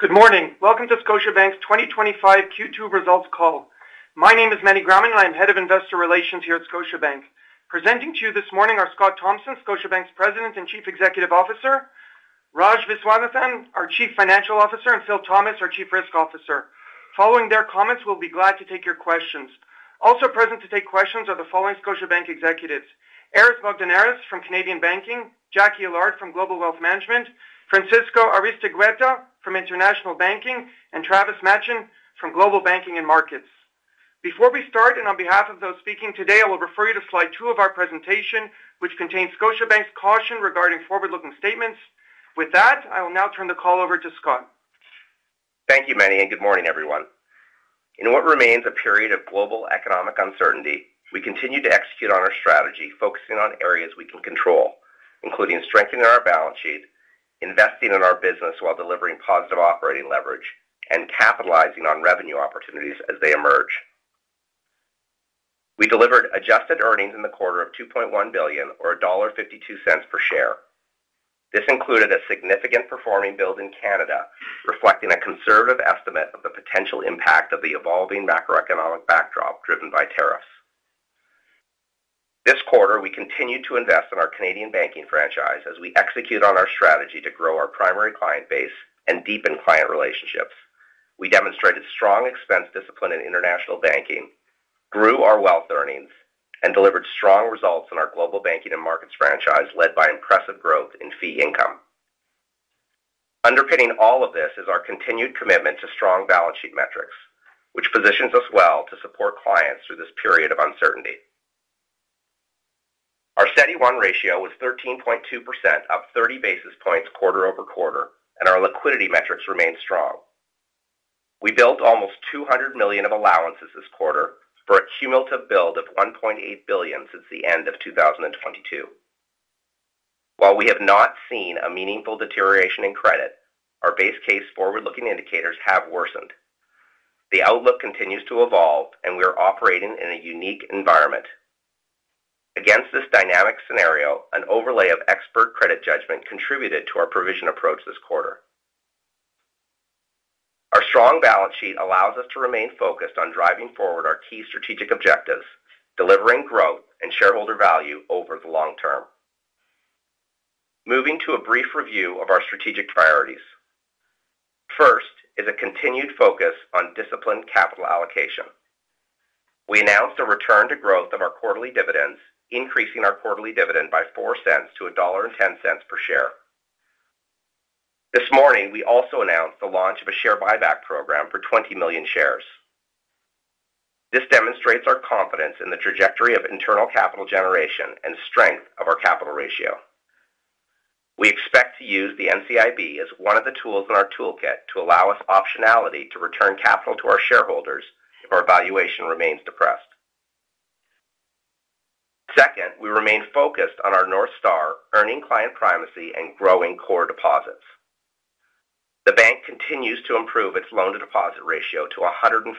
Good morning. Welcome to Scotiabank's 2025 Q2 results call. My name is Manny Grauman, and I'm Head of Investor Relations here at Scotiabank. Presenting to you this morning are Scott Thomson, Scotiabank's President and Chief Executive Officer; Raj Viswanathan, our Chief Financial Officer; and Phil Thomas, our Chief Risk Officer. Following their comments, we'll be glad to take your questions. Also present to take questions are the following Scotiabank executives: Aris Bogdaneris from Canadian Banking, Jackie Allard from Global Wealth Management, Francisco Aristeguieta from International Banking, and Travis Machen from Global Banking and Markets. Before we start, and on behalf of those speaking today, I will refer you to slide two of our presentation, which contains Scotiabank's caution regarding forward-looking statements. With that, I will now turn the call over to Scott. Thank you, Manny, and good morning, everyone. In what remains a period of global economic uncertainty, we continue to execute on our strategy, focusing on areas we can control, including strengthening our balance sheet, investing in our business while delivering positive operating leverage, and capitalizing on revenue opportunities as they emerge. We delivered adjusted earnings in the quarter of 2.1 billion, or dollar 1.52 per share. This included a significant performing build in Canada, reflecting a conservative estimate of the potential impact of the evolving macroeconomic backdrop driven by tariffs. This quarter, we continued to invest in our Canadian banking franchise as we execute on our strategy to grow our primary client base and deepen client relationships. We demonstrated strong expense discipline in international banking, grew our wealth earnings, and delivered strong results in our global banking and markets franchise led by impressive growth in fee income. Underpinning all of this is our continued commitment to strong balance sheet metrics, which positions us well to support clients through this period of uncertainty. Our steady CET1 ratio was 13.2%, up 30 basis points quarter over quarter, and our liquidity metrics remained strong. We built almost 200 million of allowances this quarter for a cumulative build of 1.8 billion since the end of 2022. While we have not seen a meaningful deterioration in credit, our base case forward-looking indicators have worsened. The outlook continues to evolve, and we are operating in a unique environment. Against this dynamic scenario, an overlay of expert credit judgment contributed to our provision approach this quarter. Our strong balance sheet allows us to remain focused on driving forward our key strategic objectives, delivering growth and shareholder value over the long term. Moving to a brief review of our strategic priorities. First is a continued focus on disciplined capital allocation. We announced a return to growth of our quarterly dividends, increasing our quarterly dividend by $0.04- $1.10 per share. This morning, we also announced the launch of a share buyback program for 20 million shares. This demonstrates our confidence in the trajectory of internal capital generation and strength of our capital ratio. We expect to use the NCIB as one of the tools in our toolkit to allow us optionality to return capital to our shareholders if our valuation remains depressed. Second, we remain focused on our North Star earning client primacy and growing core deposits. The bank continues to improve its loan-to-deposit ratio to 104%,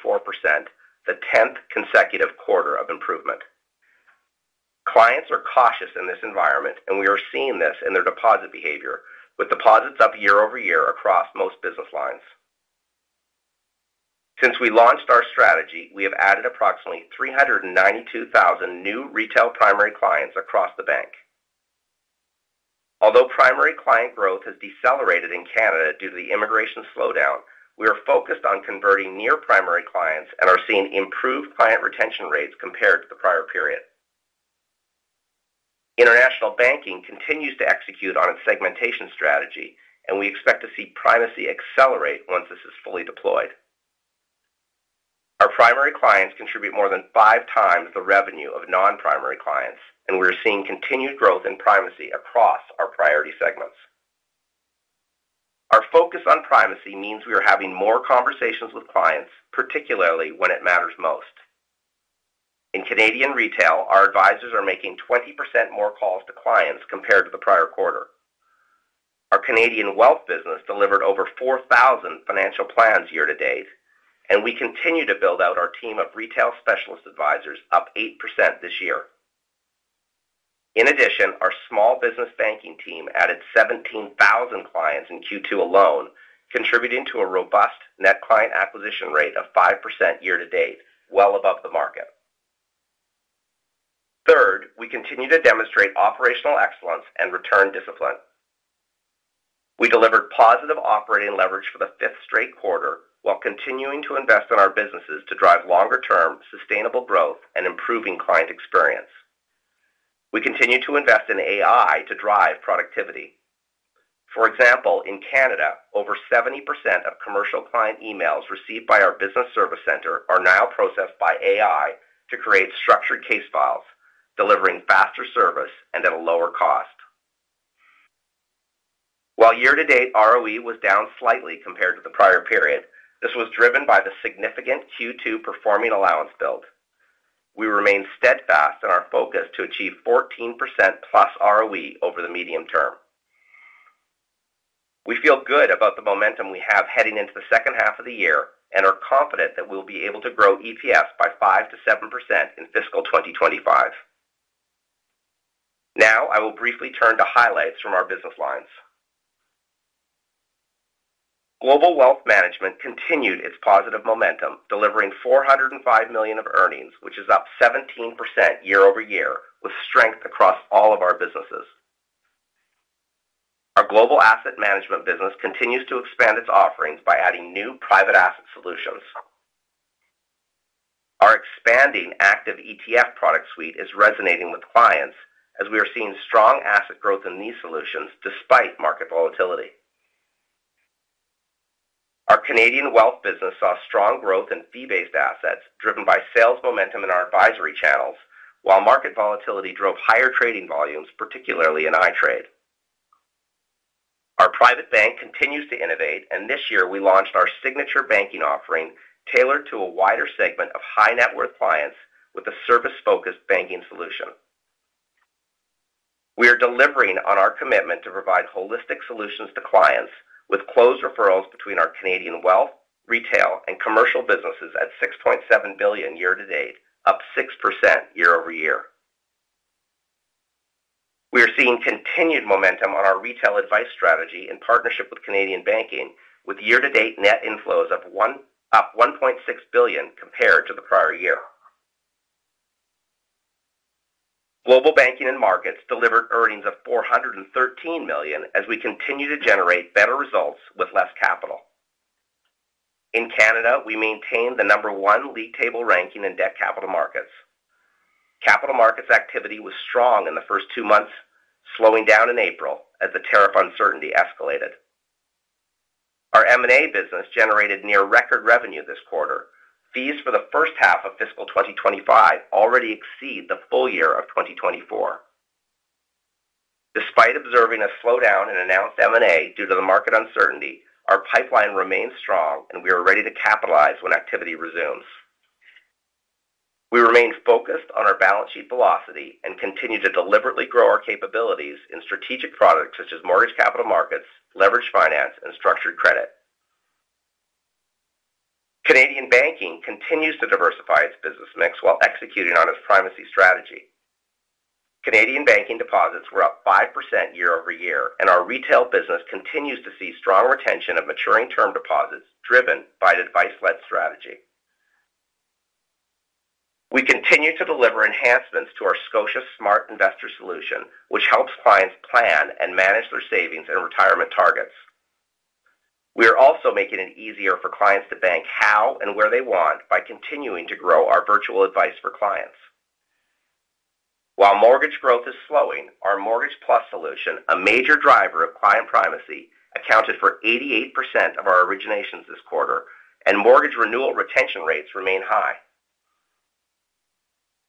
the 10th consecutive quarter of improvement. Clients are cautious in this environment, and we are seeing this in their deposit behavior, with deposits up year over year across most business lines. Since we launched our strategy, we have added approximately 392,000 new retail primary clients across the bank. Although primary client growth has decelerated in Canada due to the immigration slowdown, we are focused on converting near-primary clients and are seeing improved client retention rates compared to the prior period. International banking continues to execute on its segmentation strategy, and we expect to see primacy accelerate once this is fully deployed. Our primary clients contribute more than five times the revenue of non-primary clients, and we are seeing continued growth in primacy across our priority segments. Our focus on primacy means we are having more conversations with clients, particularly when it matters most. In Canadian retail, our advisors are making 20% more calls to clients compared to the prior quarter. Our Canadian wealth business delivered over 4,000 financial plans year to date, and we continue to build out our team of retail specialist advisors, up 8% this year. In addition, our small business banking team added 17,000 clients in Q2 alone, contributing to a robust net client acquisition rate of 5% year-to-date, well above the market. Third, we continue to demonstrate operational excellence and return discipline. We delivered positive operating leverage for the fifth straight quarter while continuing to invest in our businesses to drive longer-term sustainable growth and improving client experience. We continue to invest in AI to drive productivity. For example, in Canada, over 70% of commercial client emails received by our business service center are now processed by AI to create structured case files, delivering faster service and at a lower cost. While year-to-date ROE was down slightly compared to the prior period, this was driven by the significant Q2 performing allowance build. We remain steadfast in our focus to achieve 14%+ ROE over the medium term. We feel good about the momentum we have heading into the second half of the year and are confident that we'll be able to grow EPS by 5%-7% in fiscal 2025. Now, I will briefly turn to highlights from our business lines. Global Wealth Management continued its positive momentum, delivering 405 million of earnings, which is up 17% year over year, with strength across all of our businesses. Our global asset management business continues to expand its offerings by adding new private asset solutions. Our expanding active ETF product suite is resonating with clients, as we are seeing strong asset growth in these solutions despite market volatility. Our Canadian wealth business saw strong growth in fee-based assets, driven by sales momentum in our advisory channels, while market volatility drove higher trading volumes, particularly in iTrade. Our private bank continues to innovate, and this year we launched our signature banking offering tailored to a wider segment of high-net-worth clients with a service-focused banking solution. We are delivering on our commitment to provide holistic solutions to clients, with closed referrals between our Canadian wealth, retail, and commercial businesses at 6.7 billion year to date, up 6% year-over-year. We are seeing continued momentum on our retail advice strategy in partnership with Canadian banking, with year-to-date net inflows of 1.6 billion compared to the prior year. Global banking and markets delivered earnings of 413 million as we continue to generate better results with less capital. In Canada, we maintain the number one league table ranking in debt capital markets. Capital markets activity was strong in the first two months, slowing down in April as the tariff uncertainty escalated. Our M&A business generated near-record revenue this quarter. Fees for the first half of fiscal 2025 already exceed the full year of 2024. Despite observing a slowdown in announced M&A due to the market uncertainty, our pipeline remains strong, and we are ready to capitalize when activity resumes. We remain focused on our balance sheet velocity and continue to deliberately grow our capabilities in strategic products such as mortgage capital markets, leveraged finance, and structured credit. Canadian banking continues to diversify its business mix while executing on its primacy strategy. Canadian banking deposits were up 5% year-over-year, and our retail business continues to see strong retention of maturing term deposits driven by advice-led strategy. We continue to deliver enhancements to our Scotia Smart Investor solution, which helps clients plan and manage their savings and retirement targets. We are also making it easier for clients to bank how and where they want by continuing to grow our virtual advice for clients. While mortgage growth is slowing, our Mortgage Plus solution, a major driver of client primacy, accounted for 88% of our originations this quarter, and mortgage renewal retention rates remain high.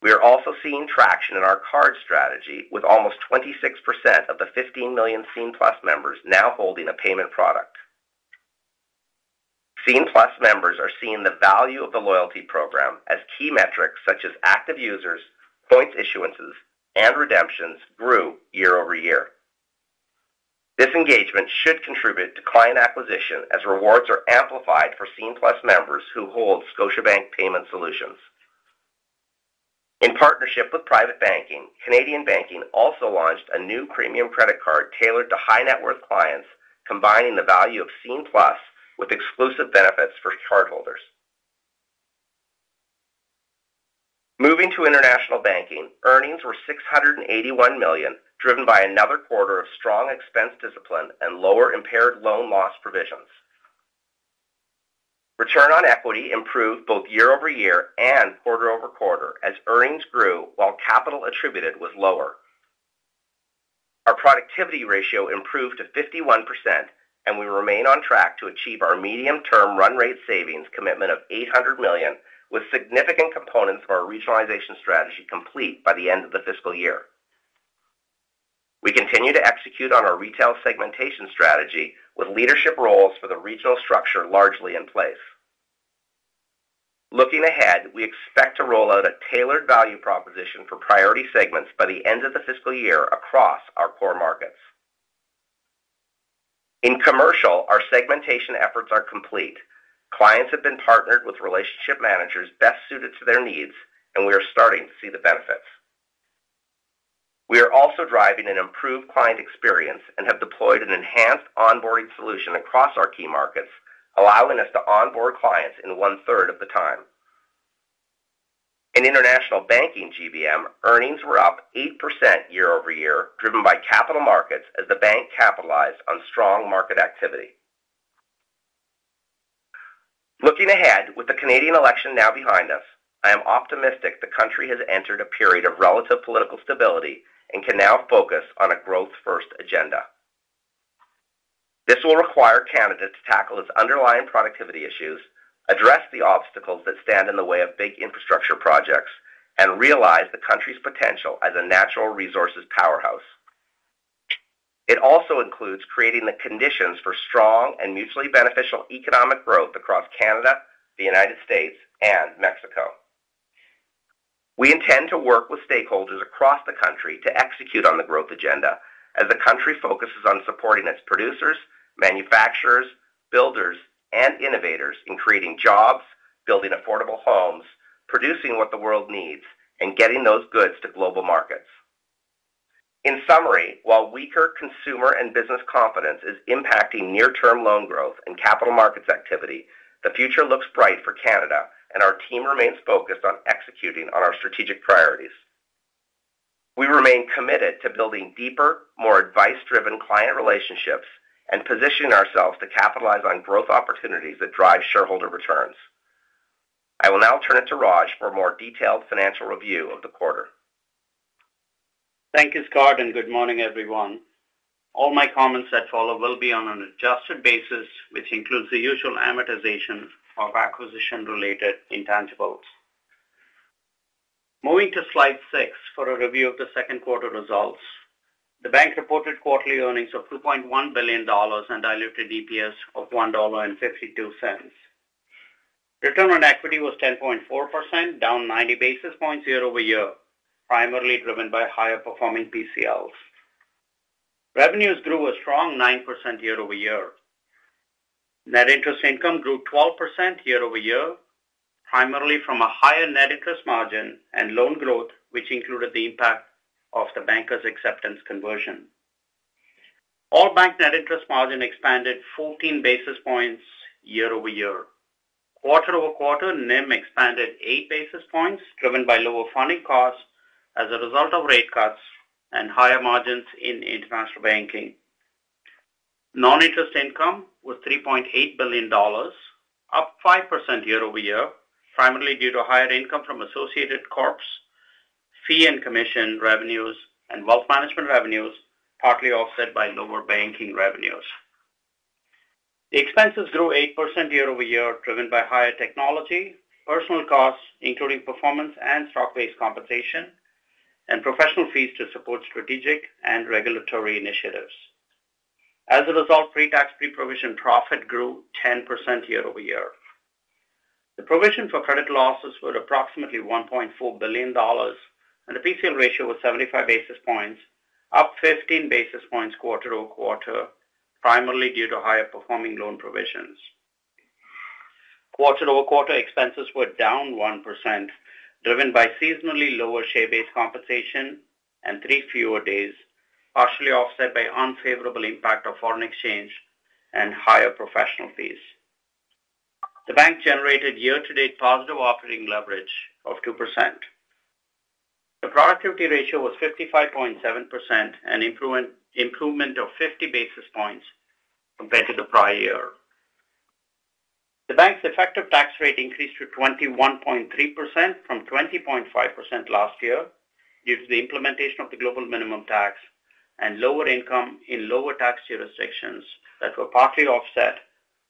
We are also seeing traction in our card strategy, with almost 26% of the 15 million CENE Plus members now holding a payment product. CENE+ members are seeing the value of the loyalty program as key metrics such as active users, points issuances, and redemptions grew year-over-year. This engagement should contribute to client acquisition as rewards are amplified for CENE+ members who hold Scotiabank payment solutions. In partnership with private banking, Canadian banking also launched a new premium credit card tailored to high-net-worth clients, combining the value of CENE Plus with exclusive benefits for cardholders. Moving to international banking, earnings were 681 million, driven by another quarter of strong expense discipline and lower impaired loan loss provisions. Return on equity improved both year-over-year and quarter over quarter as earnings grew while capital attributed was lower. Our productivity ratio improved to 51%, and we remain on track to achieve our medium-term run-rate savings commitment of 800 million, with significant components of our regionalization strategy complete by the end of the fiscal year. We continue to execute on our retail segmentation strategy, with leadership roles for the regional structure largely in place. Looking ahead, we expect to roll out a tailored value proposition for priority segments by the end of the fiscal year across our core markets. In commercial, our segmentation efforts are complete. Clients have been partnered with relationship managers best suited to their needs, and we are starting to see the benefits. We are also driving an improved client experience and have deployed an enhanced onboarding solution across our key markets, allowing us to onboard clients in one-third of the time. In international banking, GBM, earnings were up 8% year-over-year, driven by capital markets as the bank capitalized on strong market activity. Looking ahead, with the Canadian election now behind us, I am optimistic the country has entered a period of relative political stability and can now focus on a growth-first agenda. This will require Canada to tackle its underlying productivity issues, address the obstacles that stand in the way of big infrastructure projects, and realize the country's potential as a natural resources powerhouse. It also includes creating the conditions for strong and mutually beneficial economic growth across Canada, the U.S., and Mexico. We intend to work with stakeholders across the country to execute on the growth agenda as the country focuses on supporting its producers, manufacturers, builders, and innovators in creating jobs, building affordable homes, producing what the world needs, and getting those goods to global markets. In summary, while weaker consumer and business confidence is impacting near-term loan growth and capital markets activity, the future looks bright for Canada, and our team remains focused on executing on our strategic priorities. We remain committed to building deeper, more advice-driven client relationships and positioning ourselves to capitalize on growth opportunities that drive shareholder returns. I will now turn it to Raj for a more detailed financial review of the quarter. Thank you, Scott, and good morning, everyone. All my comments that follow will be on an adjusted basis, which includes the usual amortization of acquisition-related intangibles. Moving to slide six for a review of the second quarter results, the bank reported quarterly earnings of 2.1 billion dollars and diluted EPS of $1.52. Return on equity was 10.4%, down 90 basis points year over year, primarily driven by higher-performing PCLs. Revenues grew a strong 9% year-ove- year. Net interest income grew 12% year-over-year, primarily from a higher net interest margin and loan growth, which included the impact of the banker's acceptance conversion. All bank net interest margin expanded 14 basis points year over year. Quarter over quarter, NIM expanded 8 basis points, driven by lower funding costs as a result of rate cuts and higher margins in international banking. Non-interest income was 3.8 billion dollars, up 5% year-over-year, primarily due to higher income from associated corps, fee and commission revenues, and wealth management revenues, partly offset by lower banking revenues. The expenses grew 8% year-over-year, driven by higher technology, personal costs, including performance and stock-based compensation, and professional fees to support strategic and regulatory initiatives. As a result, pre-tax pre-provision profit grew 10% year-over-year. The provision for credit losses was approximately 1.4 billion dollars, and the PCL ratio was 75 basis points, up 15 basis points quarter over quarter, primarily due to higher-performing loan provisions. Quarter-over-quarter expenses were down 1%, driven by seasonally lower share-based compensation and three fewer days, partially offset by unfavorable impact of foreign exchange and higher professional fees. The bank generated year-to-date positive operating leverage of 2%. The productivity ratio was 55.7%, an improvement of 50 basis points compared to the prior year. The bank's effective tax rate increased to 21.3% from 20.5% last year due to the implementation of the global minimum tax and lower income in lower tax jurisdictions that were partly offset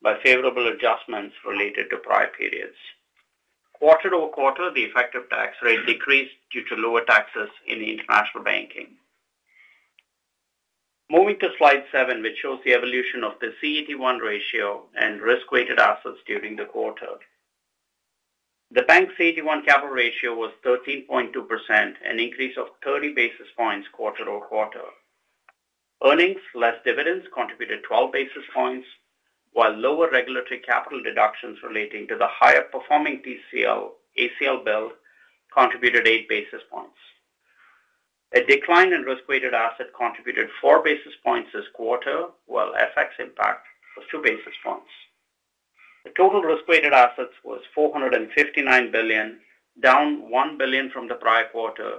by favorable adjustments related to prior periods. Quarter-over-quarter, the effective tax rate decreased due to lower taxes in international banking. Moving to slide seven, which shows the evolution of the CET1 ratio and risk-weighted assets during the quarter. The bank's CET1 capital ratio was 13.2%, an increase of 30 basis points quarter over quarter. Earnings, less dividends, contributed 12 basis points, while lower regulatory capital deductions relating to the higher-performing PCL, ACL build, contributed 8 basis points. A decline in risk-weighted asset contributed 4 basis points this quarter, while FX impact was 2 basis points. The total risk-weighted assets was 459 billion, down 1 billion from the prior quarter,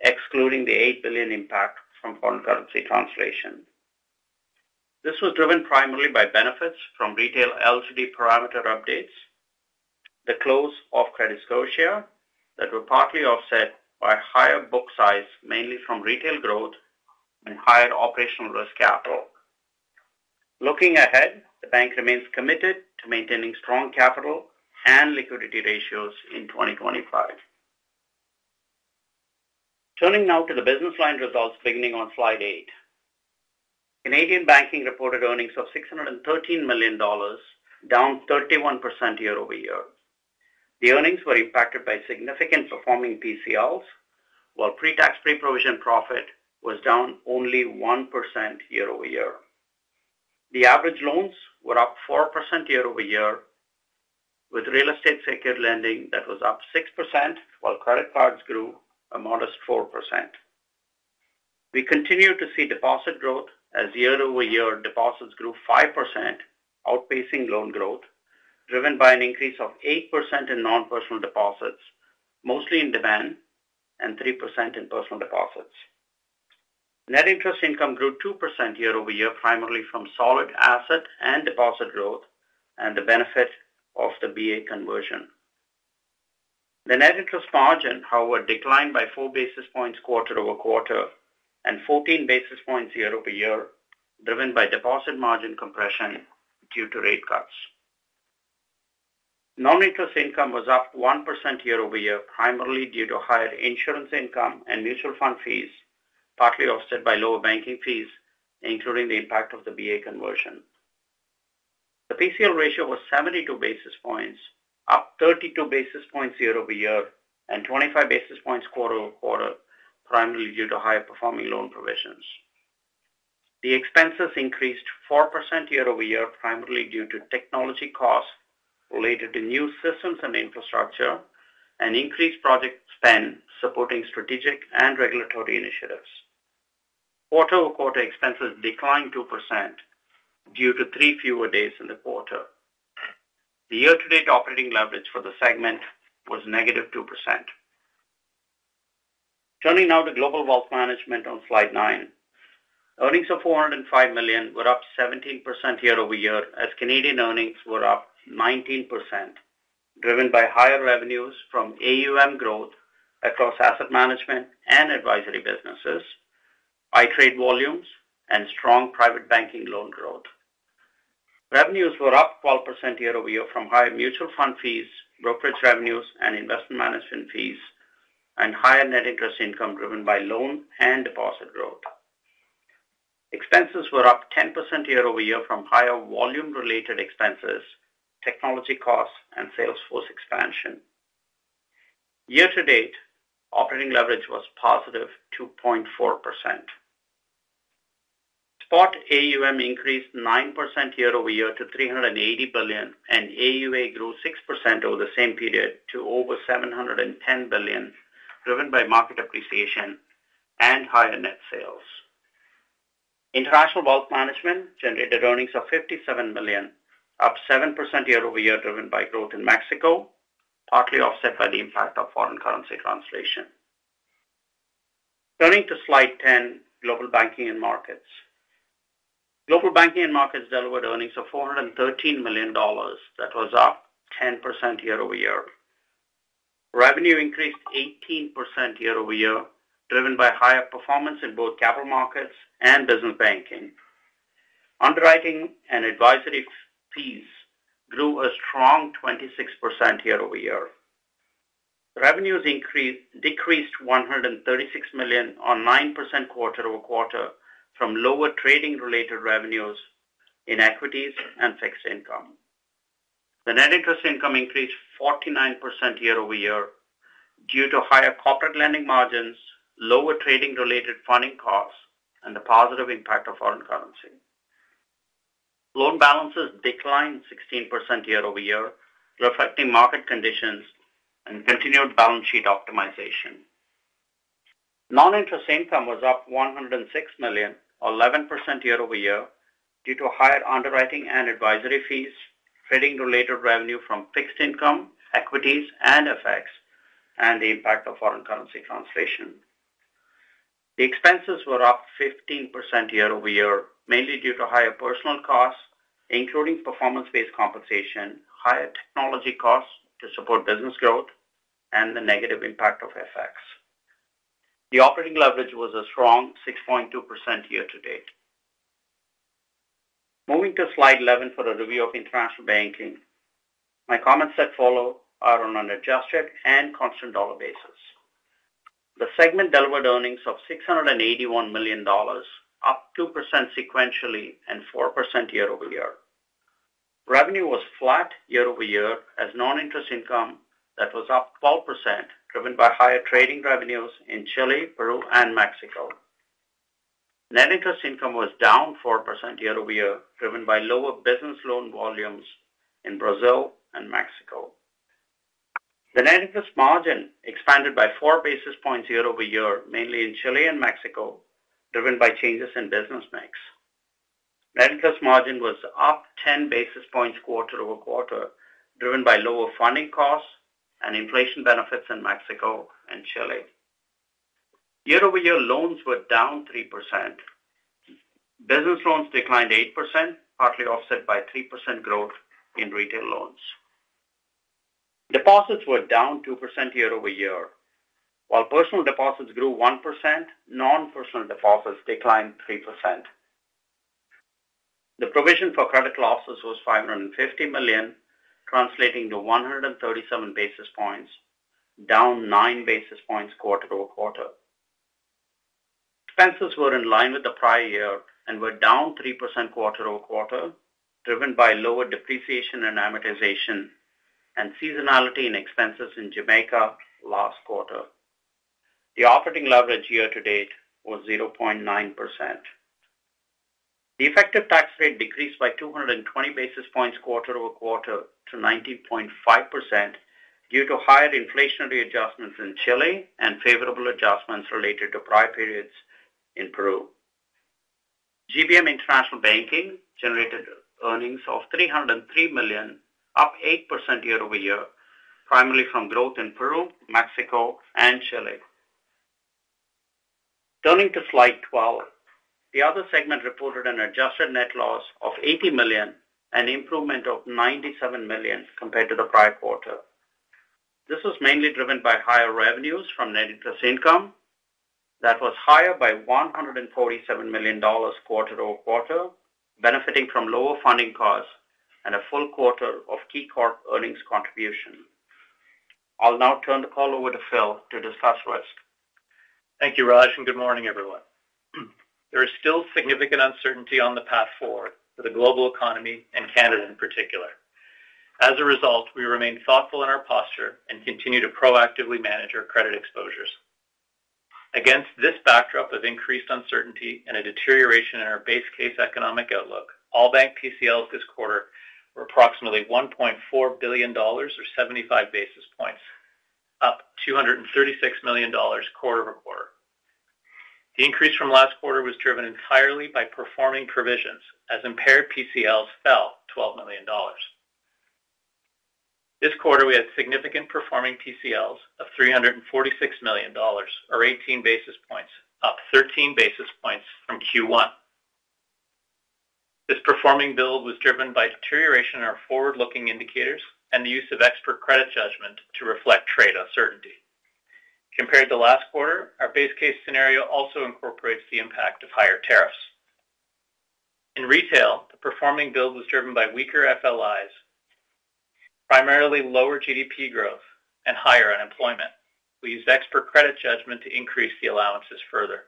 excluding the 8 billion impact from foreign currency translation. This was driven primarily by benefits from retail LCD parameter updates, the close of CrediScotia that were partly offset by higher book size, mainly from retail growth and higher operational risk capital. Looking ahead, the bank remains committed to maintaining strong capital and liquidity ratios in 2025. Turning now to the business line results beginning on slide eight. Canadian Banking reported earnings of 613 million dollars, down 31% year-over-year. The earnings were impacted by significant performing PCLs, while pre-tax pre-provision profit was down only 1% year-over-year. The average loans were up 4% year-over-year, with real estate secured lending that was up 6%, while credit cards grew a modest 4%. We continue to see deposit growth as year-over-year deposits grew 5%, outpacing loan growth, driven by an increase of 8% in non-personal deposits, mostly in demand, and 3% in personal deposits. Net interest income grew 2% year-over-year, primarily from solid asset and deposit growth and the benefit of the BA conversion. The net interest margin, however, declined by 4 basis points quarter-over-quarter and 14 basis points year-over-year, driven by deposit margin compression due to rate cuts. Non-interest income was up 1% year over year, primarily due to higher insurance income and mutual fund fees, partly offset by lower banking fees, including the impact of the BA conversion. The PCL ratio was 72 basis points, up 32 basis points year-over-year, and 25 basis points quarter-over-quarter, primarily due to higher-performing loan provisions. The expenses increased 4% year-over-year, primarily due to technology costs related to new systems and infrastructure and increased project spend supporting strategic and regulatory initiatives. Quarter over quarter, expenses declined 2% due to three fewer days in the quarter. The year-to-date operating leverage for the segment was negative 2%. Turning now to global wealth management on slide nine. Earnings of $405 million were up 17% year-over-year as Canadian earnings were up 19%, driven by higher revenues from AUM growth across asset management and advisory businesses, iTrade volumes, and strong private banking loan growth. Revenues were up 12% year-over-year from higher mutual fund fees, brokerage revenues, and investment management fees, and higher net interest income driven by loan and deposit growth. Expenses were up 10% year-over-year from higher volume-related expenses, technology costs, and sales force expansion. Year-to-date, operating leverage was positive 2.4%. Spot AUM increased 9% year-over-year to $380 billion, and AUA grew 6% over the same period to over $710 billion, driven by market appreciation and higher net sales. International wealth management generated earnings of $57 million, up 7% year-over-year, driven by growth in Mexico, partly offset by the impact of foreign currency translation. Turning to slide 10, global banking and markets. Global banking and markets delivered earnings of $413 million that was up 10% year-overyear. Revenue increased 18% year over year, driven by higher performance in both capital markets and business banking. Underwriting and advisory fees grew a strong 26% year-over-year. Revenues decreased $136 million or 9% quarter-over-quarter from lower trading-related revenues in equities and fixed income. The net interest income increased 49% year-over-year due to higher corporate lending margins, lower trading-related funding costs, and the positive impact of foreign currency. Loan balances declined 16% year-over-year, reflecting market conditions and continued balance sheet optimization. Non-interest income was up $106 million, 11% year-over-year, due to higher underwriting and advisory fees, trading-related revenue from fixed income, equitie, and FX, and the impact of foreign currency translation. The expenses were up 15% year-over-year, mainly due to higher personnel costs, including performance-based compensation, higher technology costs to support business growth, and the negative impact of FX. The operating leverage was a strong 6.2% year-to-date. Moving to slide 11 for a review of International Banking. My comments that follow are on an adjusted and constant dollar basis. The segment delivered earnings of 681 million dollars, up 2% sequentially and 4% year-over-year. Revenue was flat year over year as non-interest income that was up 12%, driven by higher trading revenues in Chile, Peru, and Mexico. Net interest income was down 4% year-over-year, driven by lower business loan volumes in Brazil and Mexico. The net interest margin expanded by 4 basis points year over year, mainly in Chile and Mexico, driven by changes in business mix. Net interest margin was up 10 basis points quarter-over-quarter, driven by lower funding costs and inflation benefits in Mexico and Chile. Year-over-year loans were down 3%. Business loans declined 8%, partly offset by 3% growth in retail loans. Deposits were down 2% year-over-year, while personal deposits grew 1%. Non-personal deposits declined 3%. The provision for credit losses was $550 million, translating to 137 basis points, down 9 basis points quarter-over-quarter. Expenses were in line with the prior year and were down 3% quarter-over-quarter, driven by lower depreciation and amortization and seasonality in expenses in Jamaica last quarter. The operating leverage year-to-date was 0.9%. The effective tax rate decreased by 220 basis points quarter-over-quarter to 19.5% due to higher inflationary adjustments in Chile and favorable adjustments related to prior periods in Peru. GBM International Banking generated earnings of $303 million, up 8% year-over-year, primarily from growth in Peru, Mexico, and Chile. Turning to slide 12, the other segment reported an adjusted net loss of $80 million, an improvement of $97 million compared to the prior quarter. This was mainly driven by higher revenues from net interest income that was higher by $147 million quarter-over-quarter, benefiting from lower funding costs and a full quarter of KeyCorp earnings contribution. I'll now turn the call over to Phil to discuss risk. Thank you, Raj, and good morning, everyone. There is still significant uncertainty on the path forward for the global economy and Canada in particular. As a result, we remain thoughtful in our posture and continue to proactively manage our credit exposures. Against this backdrop of increased uncertainty and a deterioration in our base case economic outlook, all bank PCLs this quarter were approximately 1.4 billion dollars, or 75 basis points, up 236 million dollars quarter-over-quarter. The increase from last quarter was driven entirely by performing provisions as impaired PCLs fell 12 million dollars. This quarter, we had significant performing PCLs of 346 million dollars, or 18 basis points, up 13 basis points from Q1. This performing build was driven by deterioration in our forward-looking indicators and the use of expert credit judgment to reflect trade uncertainty. Compared to last quarter, our base case scenario also incorporates the impact of higher tariffs. In retail, the performing build was driven by weaker FLIs, primarily lower GDP growth and higher unemployment. We used expert credit judgment to increase the allowances further.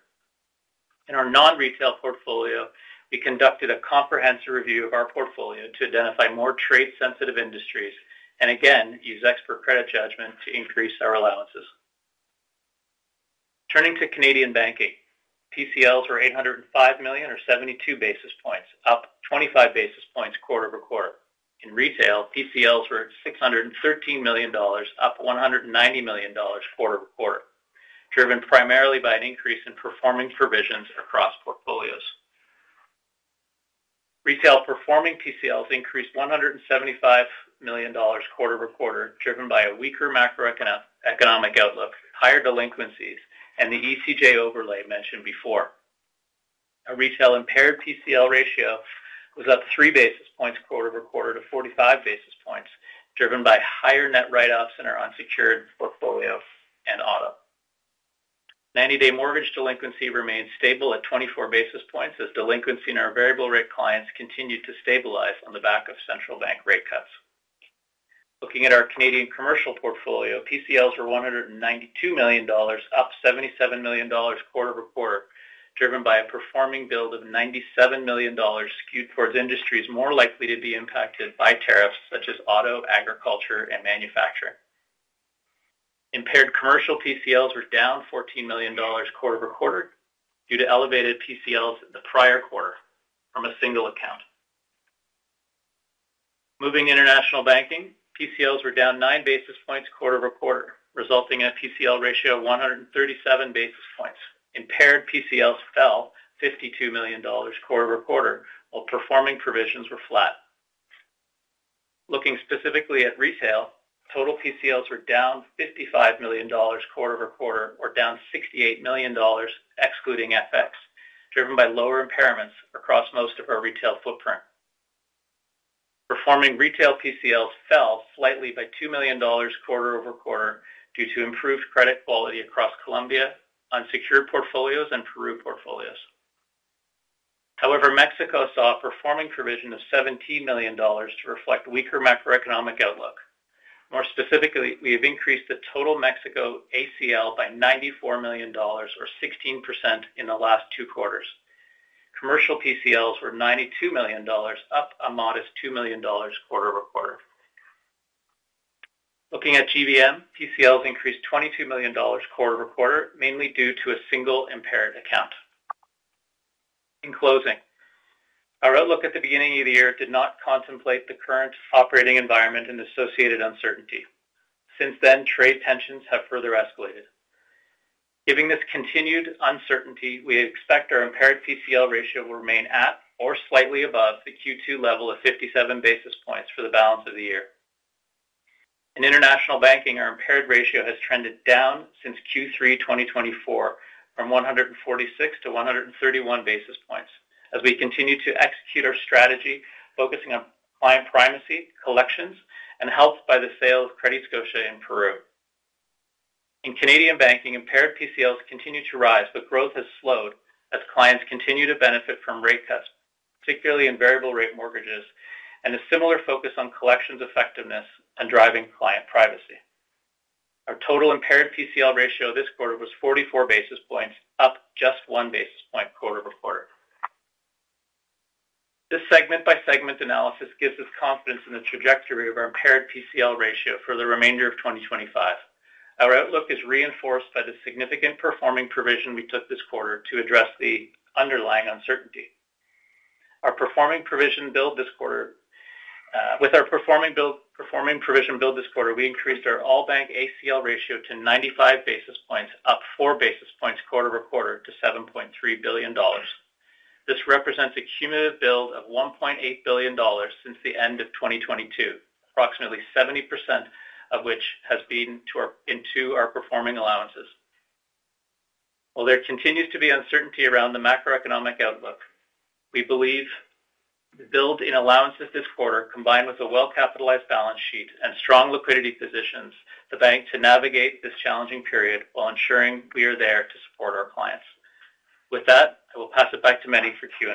In our non-retail portfolio, we conducted a comprehensive review of our portfolio to identify more trade-sensitive industries and again used expert credit judgment to increase our allowances. Turning to Canadian banking, PCLs were 805 million, or 72 basis points, up 25 basis points quarter-over-quarter. In retail, PCLs were 613 million dollars, up 190 million dollars quarter-over-quarter, driven primarily by an increase in performing provisions across portfolios. Retail performing PCLs increased 175 million dollars quarter-over-quarter, driven by a weaker macroeconomic outlook, higher delinquencies, and the ECJ overlay mentioned before. Our retail impaired PCL ratio was up 3 basis points quarter-over-quarter to 45 basis points, driven by higher net write-offs in our unsecured portfolio and auto. 90-day mortgage delinquency remained stable at 24 basis points as delinquency in our variable-rate clients continued to stabilize on the back of central bank rate cuts. Looking at our Canadian commercial portfolio, PCLs were 192 million dollars, up 77 million dollars quarter-over-quarter, driven by a performing build of 97 million dollars skewed towards industries more likely to be impacted by tariffs such as auto, agriculture, and manufacturing. Impaired commercial PCLs were down 14 million dollars quarter-over-quarter due to elevated PCLs the prior quarter from a single account. Moving to international banking, PCLs were down 9 basis points quarter-over-quarter, resulting in a PCL ratio of 137 basis points. Impaired PCLs fell 52 million dollars quarter over quarter, while performing provisions were flat. Looking specifically at retail, total PCLs were down 55 million dollars quarter-over-quarter, or down 68 million dollars, excluding FX, driven by lower impairments across most of our retail footprint. Performing retail PCLs fell slightly by 2 million dollars quarter-over-quarter due to improved credit quality across Colombia, unsecured portfolios, and Peru portfolios. However, Mexico saw a performing provision of $17 million to reflect weaker macroeconomic outlook. More specifically, we have increased the total Mexico ACL by $94 million, or 16%, in the last two quarters. Commercial PCLs were $92 million, up a modest $2 million quarter-over-quarter. Looking at GBM, PCLs increased $22 million quarter over quarter, mainly due to a single impaired account. In closing, our outlook at the beginning of the year did not contemplate the current operating environment and associated uncertainty. Since then, trade tensions have further escalated. Given this continued uncertainty, we expect our impaired PCL ratio will remain at or slightly above the Q2 level of 57 basis points for the balance of the year. In international banking, our impaired ratio has trended down since Q3 2024 from 146 to 131 basis points as we continue to execute our strategy, focusing on client primacy, collections, and helped by the sale of CrediScotia in Peru. In Canadian banking, impaired PCLs continue to rise, but growth has slowed as clients continue to benefit from rate cuts, particularly in variable-rate mortgages, and a similar focus on collections effectiveness and driving client primacy. Our total impaired PCL ratio this quarter was 44 basis points, up just one basis point quarter-over-quarter. This segment-by-segment analysis gives us confidence in the trajectory of our impaired PCL ratio for the remainder of 2025. Our outlook is reinforced by the significant performing provision we took this quarter to address the underlying uncertainty. Our performing provision build this quarter, we increased our all bank ACL ratio to 95 basis points, up 4 basis points quarter-over-quarter to 7.3 billion dollars. This represents a cumulative build of 1.8 billion dollars since the end of 2022, approximately 70% of which has been into our performing allowances. While there continues to be uncertainty around the macroeconomic outlook, we believe the build in allowances this quarter, combined with a well-capitalized balance sheet and strong liquidity, positions the bank to navigate this challenging period while ensuring we are there to support our clients. With that, I will pass it back to Meny for Q&A.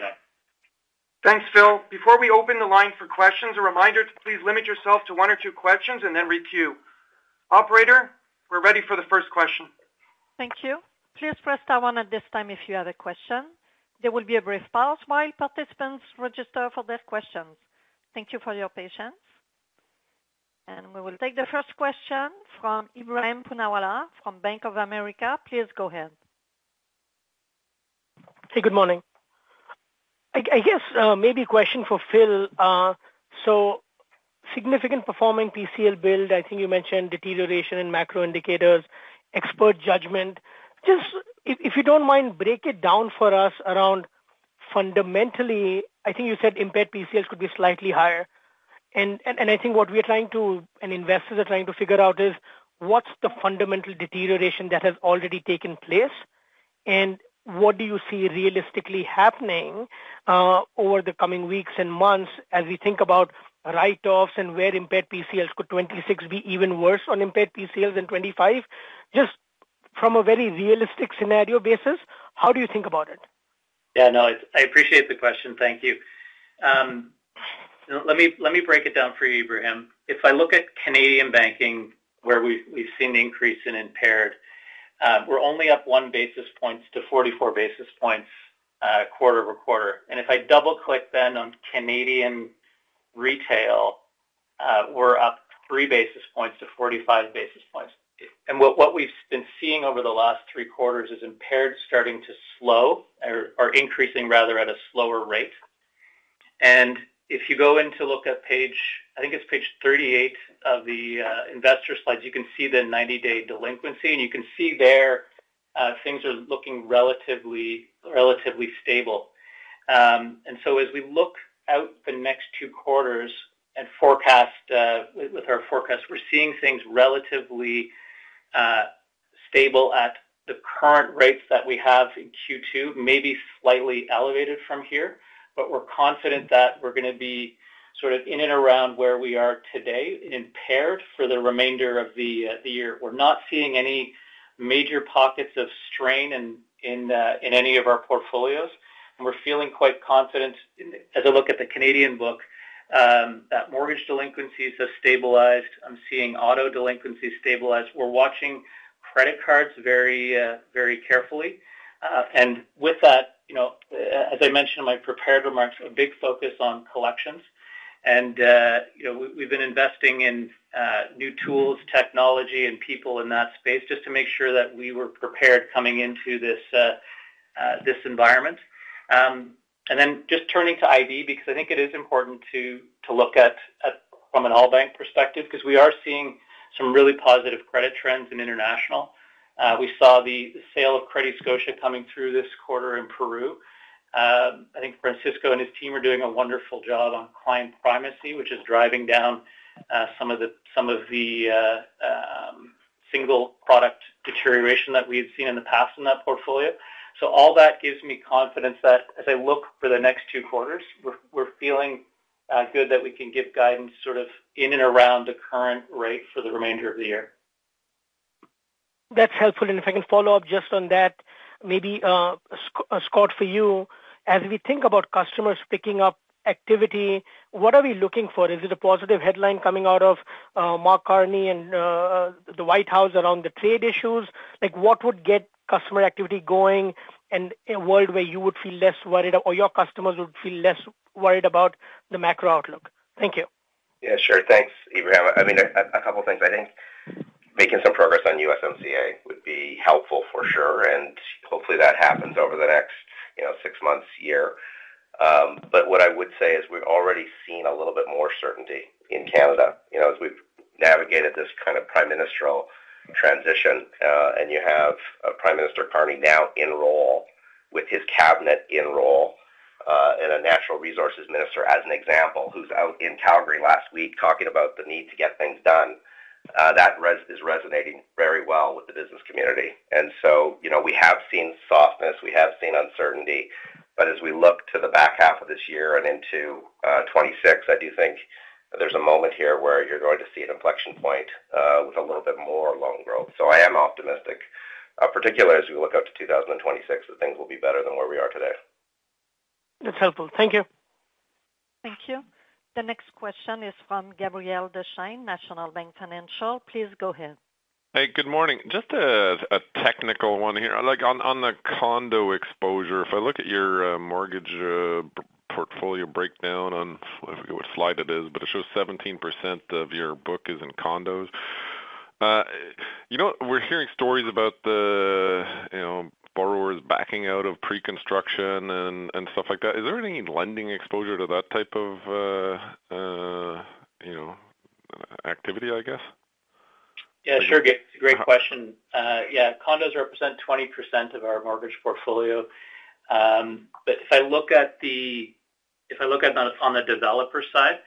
Thanks, Phil. Before we open the line for questions, a reminder to please limit yourself to one or two questions and then re-queue. Operator, we're ready for the first question. Thank you. Please press down on it this time if you have a question. There will be a brief pause while participants register for their questions. Thank you for your patience. We will take the first question from Ebrahim Poonawala from Bank of America. Please go ahead. Hey, good morning. I guess maybe a question for Phil. Significant performing PCL build, I think you mentioned deterioration in macro indicators, expert judgment. Just if you do not mind, break it down for us around fundamentally. I think you said impaired PCLs could be slightly higher. I think what we are trying to and investors are trying to figure out is what is the fundamental deterioration that has already taken place and what do you see realistically happening over the coming weeks and months as we think about write-offs and where impaired PCLs could be even worse on impaired PCLs than 2025? Just from a very realistic scenario basis, how do you think about it? Yeah, no, I appreciate the question. Thank you. Let me break it down for you, Ibrahim. If I look at Canadian banking, where we've seen the increase in impaired, we're only up one basis points to 44 basis points quarter-over-quarter. If I double-click then on Canadian retail, we're up three basis points to 45 basis points. What we've been seeing over the last three quarters is impaired starting to slow or increasing, rather, at a slower rate. If you go in to look at page, I think it's page 38 of the investor slides, you can see the 90-day delinquency, and you can see there things are looking relatively stable. As we look out the next two quarters and forecast with our forecast, we're seeing things relatively stable at the current rates that we have in Q2, maybe slightly elevated from here, but we're confident that we're going to be sort of in and around where we are today impaired for the remainder of the year. We're not seeing any major pockets of strain in any of our portfolios, and we're feeling quite confident as I look at the Canadian book that mortgage delinquency has stabilized. I'm seeing auto delinquency stabilize. We're watching credit cards very carefully. With that, as I mentioned in my prepared remarks, a big focus on collections. We've been investing in new tools, technology, and people in that space just to make sure that we were prepared coming into this environment. Turning to IV, because I think it is important to look at from an all bank perspective, we are seeing some really positive credit trends in International. We saw the sale of CrediScotia coming through this quarter in Peru. I think Francisco and his team are doing a wonderful job on client primacy, which is driving down some of the single product deterioration that we had seen in the past in that portfolio. All that gives me confidence that as I look for the next two quarters, we're feeling good that we can give guidance sort of in and around the current rate for the remainder of the year. That's helpful. If I can follow up just on that, maybe Scott for you, as we think about customers picking up activity, what are we looking for? Is it a positive headline coming out of Mark Carney and the White House around the trade issues? What would get customer activity going in a world where you would feel less worried or your customers would feel less worried about the macro outlook? Thank you. Yeah, sure. Thanks, Ibrahim. I mean, a couple of things. I think making some progress on USMCA would be helpful for sure, and hopefully that happens over the next six months, year. What I would say is we've already seen a little bit more certainty in Canada as we've navigated this kind of prime ministerial transition, and you have Prime Minister Carney now in role with his cabinet in role and a natural resources minister as an example who's out in Calgary last week talking about the need to get things done. That is resonating very well with the business community. We have seen softness. We have seen uncertainty. As we look to the back half of this year and into 2026, I do think there is a moment here where you are going to see an inflection point with a little bit more loan growth. I am optimistic, particularly as we look out to 2026, that things will be better than where we are today. That is helpful. Thank you. Thank you. The next question is from Gabriel Dechaine, National Bank Financial. Please go ahead. Hey, good morning. Just a technical one here. On the condo exposure, if I look at your mortgage portfolio breakdown, I am not sure what slide it is, but it shows 17% of your book is in condos. We are hearing stories about the borrowers backing out of pre-construction and stuff like that. Is there any lending exposure to that type of activity, I guess? Yeah, sure. Great question. Yeah, condos represent 20% of our mortgage portfolio. If I look at on the developer side,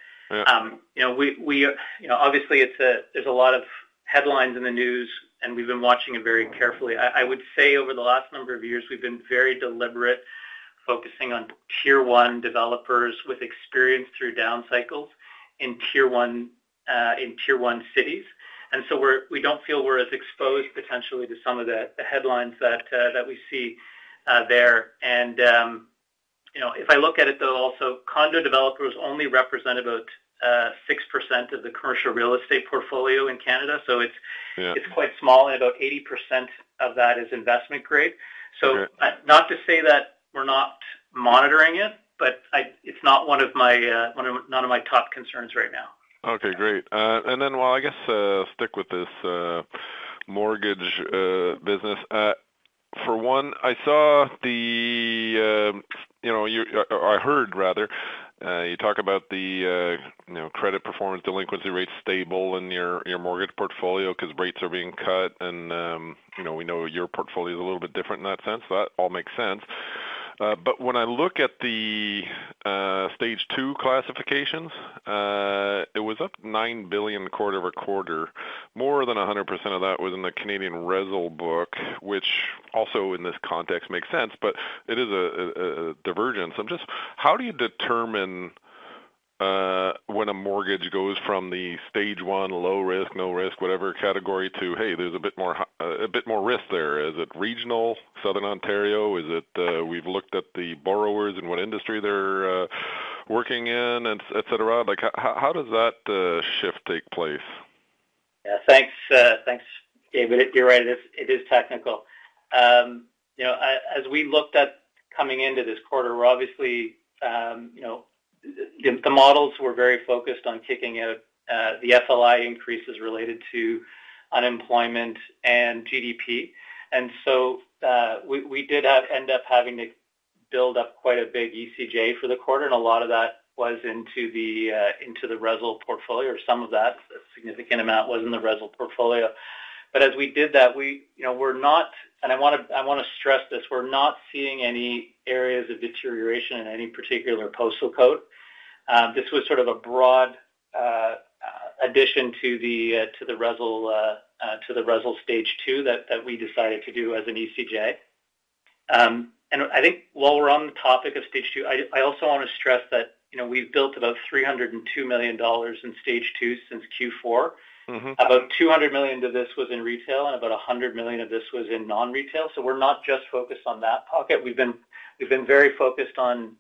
obviously there's a lot of headlines in the news, and we've been watching it very carefully. I would say over the last number of years, we've been very deliberate focusing on tier one developers with experience through down cycles in tier one cities. We do not feel we're as exposed potentially to some of the headlines that we see there. If I look at it, though, also condo developers only represent about 6% of the commercial real estate portfolio in Canada. It is quite small, and about 80% of that is investment grade. Not to say that we're not monitoring it, but it's not one of my, none of my top concerns right now. Okay, great. While I guess stick with this mortgage business, for one, I saw the or I heard rather, you talk about the credit performance delinquency rate stable in your mortgage portfolio because rates are being cut, and we know your portfolio is a little bit different in that sense. That all makes sense. When I look at the stage two classifications, it was up 9 billion quarter over quarter. More than 100% of that was in the Canadian Resil book, which also in this context makes sense, but it is a divergence. How do you determine when a mortgage goes from the stage one, low risk, no risk, whatever category to, hey, there is a bit more risk there? Is it regional, Southern Ontario? We have looked at the borrowers and what industry they are working in, etc. How does that shift take place? Yeah, thanks, Gabriel. You are right. It is technical. As we looked at coming into this quarter, obviously the models were very focused on kicking out the FLI increases related to unemployment and GDP. We did end up having to build up quite a big ECJ for the quarter, and a lot of that was into the Resil portfolio, or some of that, a significant amount was in the Resil portfolio. As we did that, I want to stress this, we are not seeing any areas of deterioration in any particular postal code. This was sort of a broad addition to the Resil stage two that we decided to do as an ECJ. I think while we are on the topic of stage two, I also want to stress that we have built about 302 million dollars in stage two since Q4. About $200 million of this was in retail, and about $100 million of this was in non-retail. We are not just focused on that pocket. We have been very focused on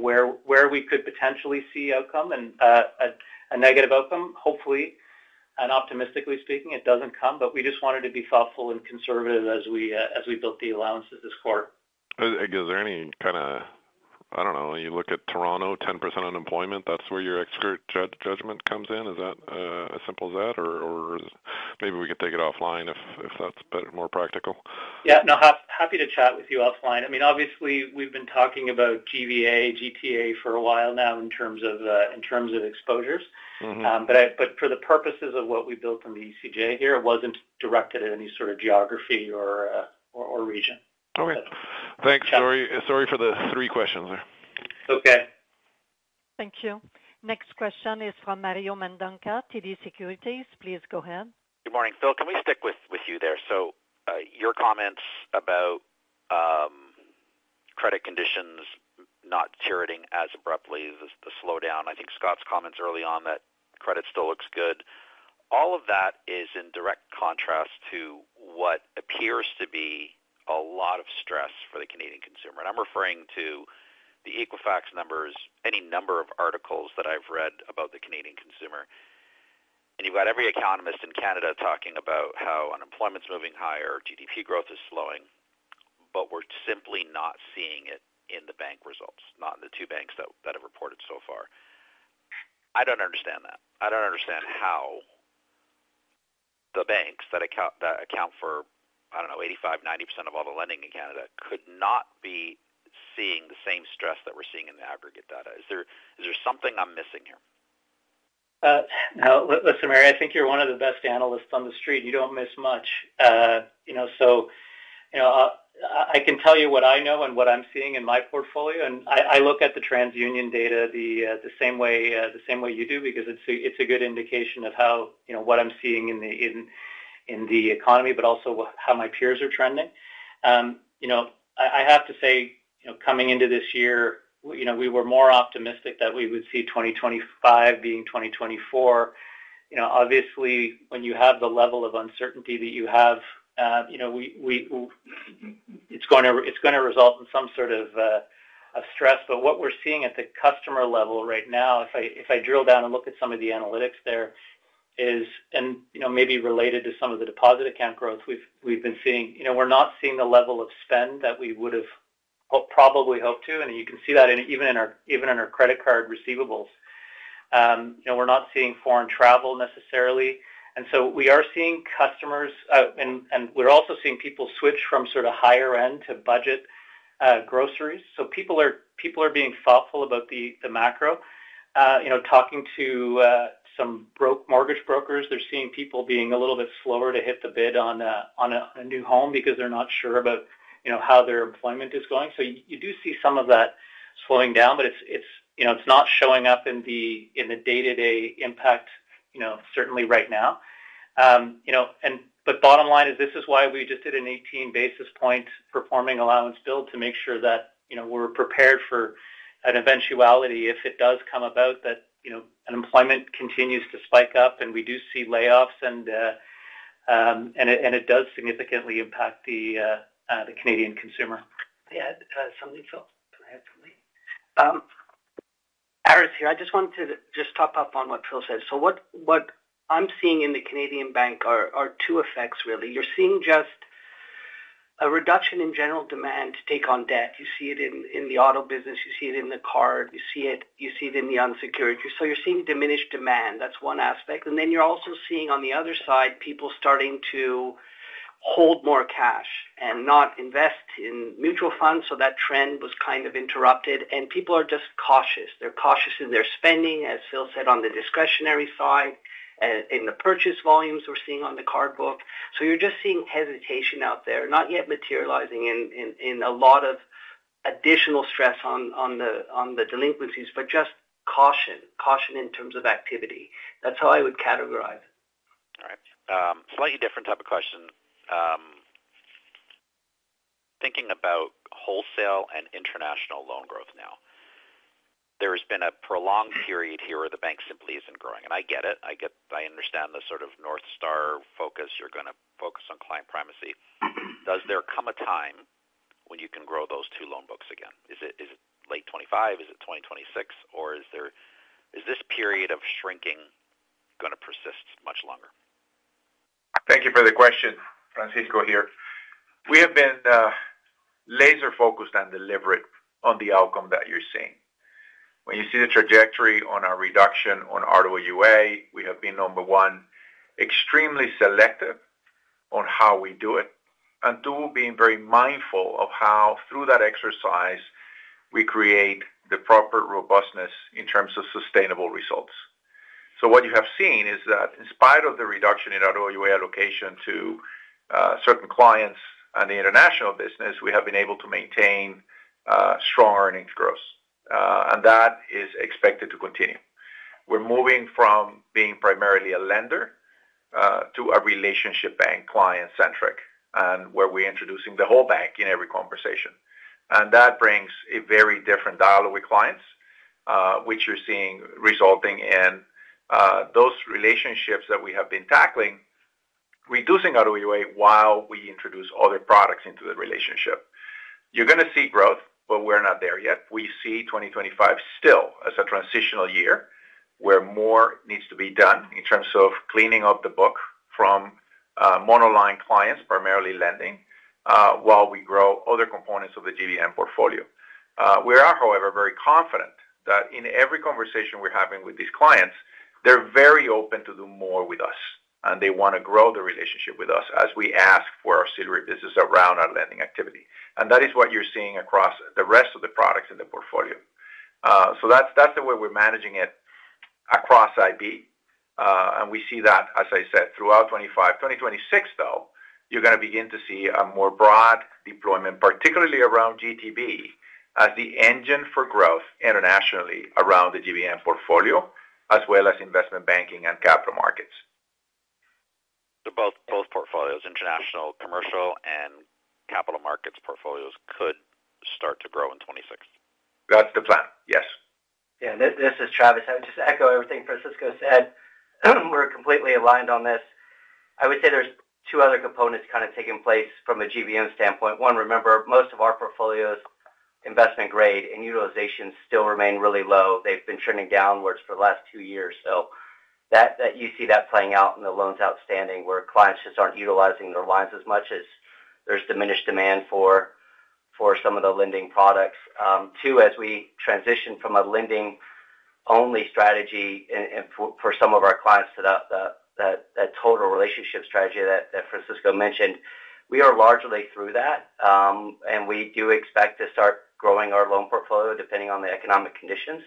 where we could potentially see outcome and a negative outcome. Hopefully, and optimistically speaking, it does not come, but we just wanted to be thoughtful and conservative as we built the allowances this quarter. Is there any kind of, I do not know, you look at Toronto, 10% unemployment, that is where your expert judgment comes in? Is that as simple as that, or maybe we could take it offline if that is more practical? Yeah, no, happy to chat with you offline. I mean, obviously we have been talking about GVA, GTA for a while now in terms of exposures. For the purposes of what we built in the ECJ here, it was not directed at any sort of geography or region. Okay. Thanks. Sorry for the three questions. Okay. Thank you. Next question is from Mario Mendonca, TD Securities. Please go ahead. Good morning, Phil. Can we stick with you there? Your comments about credit conditions not curating as abruptly as the slowdown, I think Scott's comments early on that credit still looks good. All of that is in direct contrast to what appears to be a lot of stress for the Canadian consumer. I am referring to the Equifax numbers, any number of articles that I have read about the Canadian consumer. You have got every economist in Canada talking about how unemployment is moving higher, GDP growth is slowing, but we are simply not seeing it in the bank results, not in the two banks that have reported so far. I do not understand that. I do not understand how the banks that account for, I do not know, 85%-90% of all the lending in Canada could not be seeing the same stress that we are seeing in the aggregate data. Is there something I am missing here? No, listen, Mario, I think you are one of the best analysts on the street. You do not miss much. I can tell you what I know and what I am seeing in my portfolio. I look at the TransUnion data the same way you do because it is a good indication of what I am seeing in the economy, but also how my peers are trending. I have to say, coming into this year, we were more optimistic that we would see 2025 being 2024. Obviously, when you have the level of uncertainty that you have, it is going to result in some sort of stress. What we're seeing at the customer level right now, if I drill down and look at some of the analytics there, is, and maybe related to some of the deposit account growth, we've been seeing we're not seeing the level of spend that we would have probably hoped to. You can see that even in our credit card receivables. We're not seeing foreign travel necessarily. We are seeing customers, and we're also seeing people switch from sort of higher-end to budget groceries. People are being thoughtful about the macro. Talking to some mortgage brokers, they're seeing people being a little bit slower to hit the bid on a new home because they're not sure about how their employment is going. You do see some of that slowing down, but it's not showing up in the day-to-day impact, certainly right now. Bottom line is this is why we just did an 18 basis point performing allowance build to make sure that we're prepared for an eventuality if it does come about that unemployment continues to spike up and we do see layoffs and it does significantly impact the Canadian consumer. May I add something, Phil? Can I add something? Aris here. I just wanted to just top up on what Phil said. What I'm seeing in the Canadian bank are two effects, really. You're seeing just a reduction in general demand to take on debt. You see it in the auto business. You see it in the card. You see it in the unsecured. You're seeing diminished demand. That's one aspect. Then you're also seeing on the other side, people starting to hold more cash and not invest in mutual funds. That trend was kind of interrupted. People are just cautious. They are cautious in their spending, as Phil said, on the discretionary side, in the purchase volumes we are seeing on the card book. You are just seeing hesitation out there, not yet materializing in a lot of additional stress on the delinquencies, but just caution, caution in terms of activity. That is how I would categorize it. All right. Slightly different type of question. Thinking about wholesale and international loan growth now, there has been a prolonged period here where the bank simply is not growing. I get it. I understand the sort of North Star focus. You are going to focus on client primacy. Does there come a time when you can grow those two loan books again? Is it late 2025? Is it 2026? Or is this period of shrinking going to persist much longer? Thank you for the question, Francisco here. We have been laser-focused and deliberate on the outcome that you're seeing. When you see the trajectory on our reduction on RWA, we have been, number one, extremely selective on how we do it, and, two, being very mindful of how, through that exercise, we create the proper robustness in terms of sustainable results. What you have seen is that in spite of the reduction in RWA allocation to certain clients and the international business, we have been able to maintain strong earnings growth. That is expected to continue. We are moving from being primarily a lender to a relationship bank, client-centric, and where we are introducing the whole bank in every conversation. That brings a very different dialogue with clients, which you are seeing resulting in those relationships that we have been tackling, reducing RWA while we introduce other products into the relationship. You're going to see growth, but we're not there yet. We see 2025 still as a transitional year where more needs to be done in terms of cleaning up the book from monoline clients, primarily lending, while we grow other components of the GBM portfolio. We are, however, very confident that in every conversation we're having with these clients, they're very open to do more with us, and they want to grow the relationship with us as we ask for auxiliary business around our lending activity. That is what you're seeing across the rest of the products in the portfolio. That is the way we're managing it across IB. We see that, as I said, throughout 2025. 2026, though, you're going to begin to see a more broad deployment, particularly around GTB, as the engine for growth internationally around the GBM portfolio, as well as investment banking and capital markets. Both portfolios, international commercial and capital markets portfolios, could start to grow in 2026. That's the plan. Yes. Yeah. This is Travis. I would just echo everything Francisco said. We're completely aligned on this. I would say there's two other components kind of taking place from a GBM standpoint. One, remember, most of our portfolios, investment grade and utilization still remain really low. They've been trending downwards for the last two years. You see that playing out in the loans outstanding where clients just aren't utilizing their lines as much as there's diminished demand for some of the lending products. Two, as we transition from a lending-only strategy for some of our clients to that total relationship strategy that Francisco mentioned, we are largely through that. We do expect to start growing our loan portfolio depending on the economic conditions.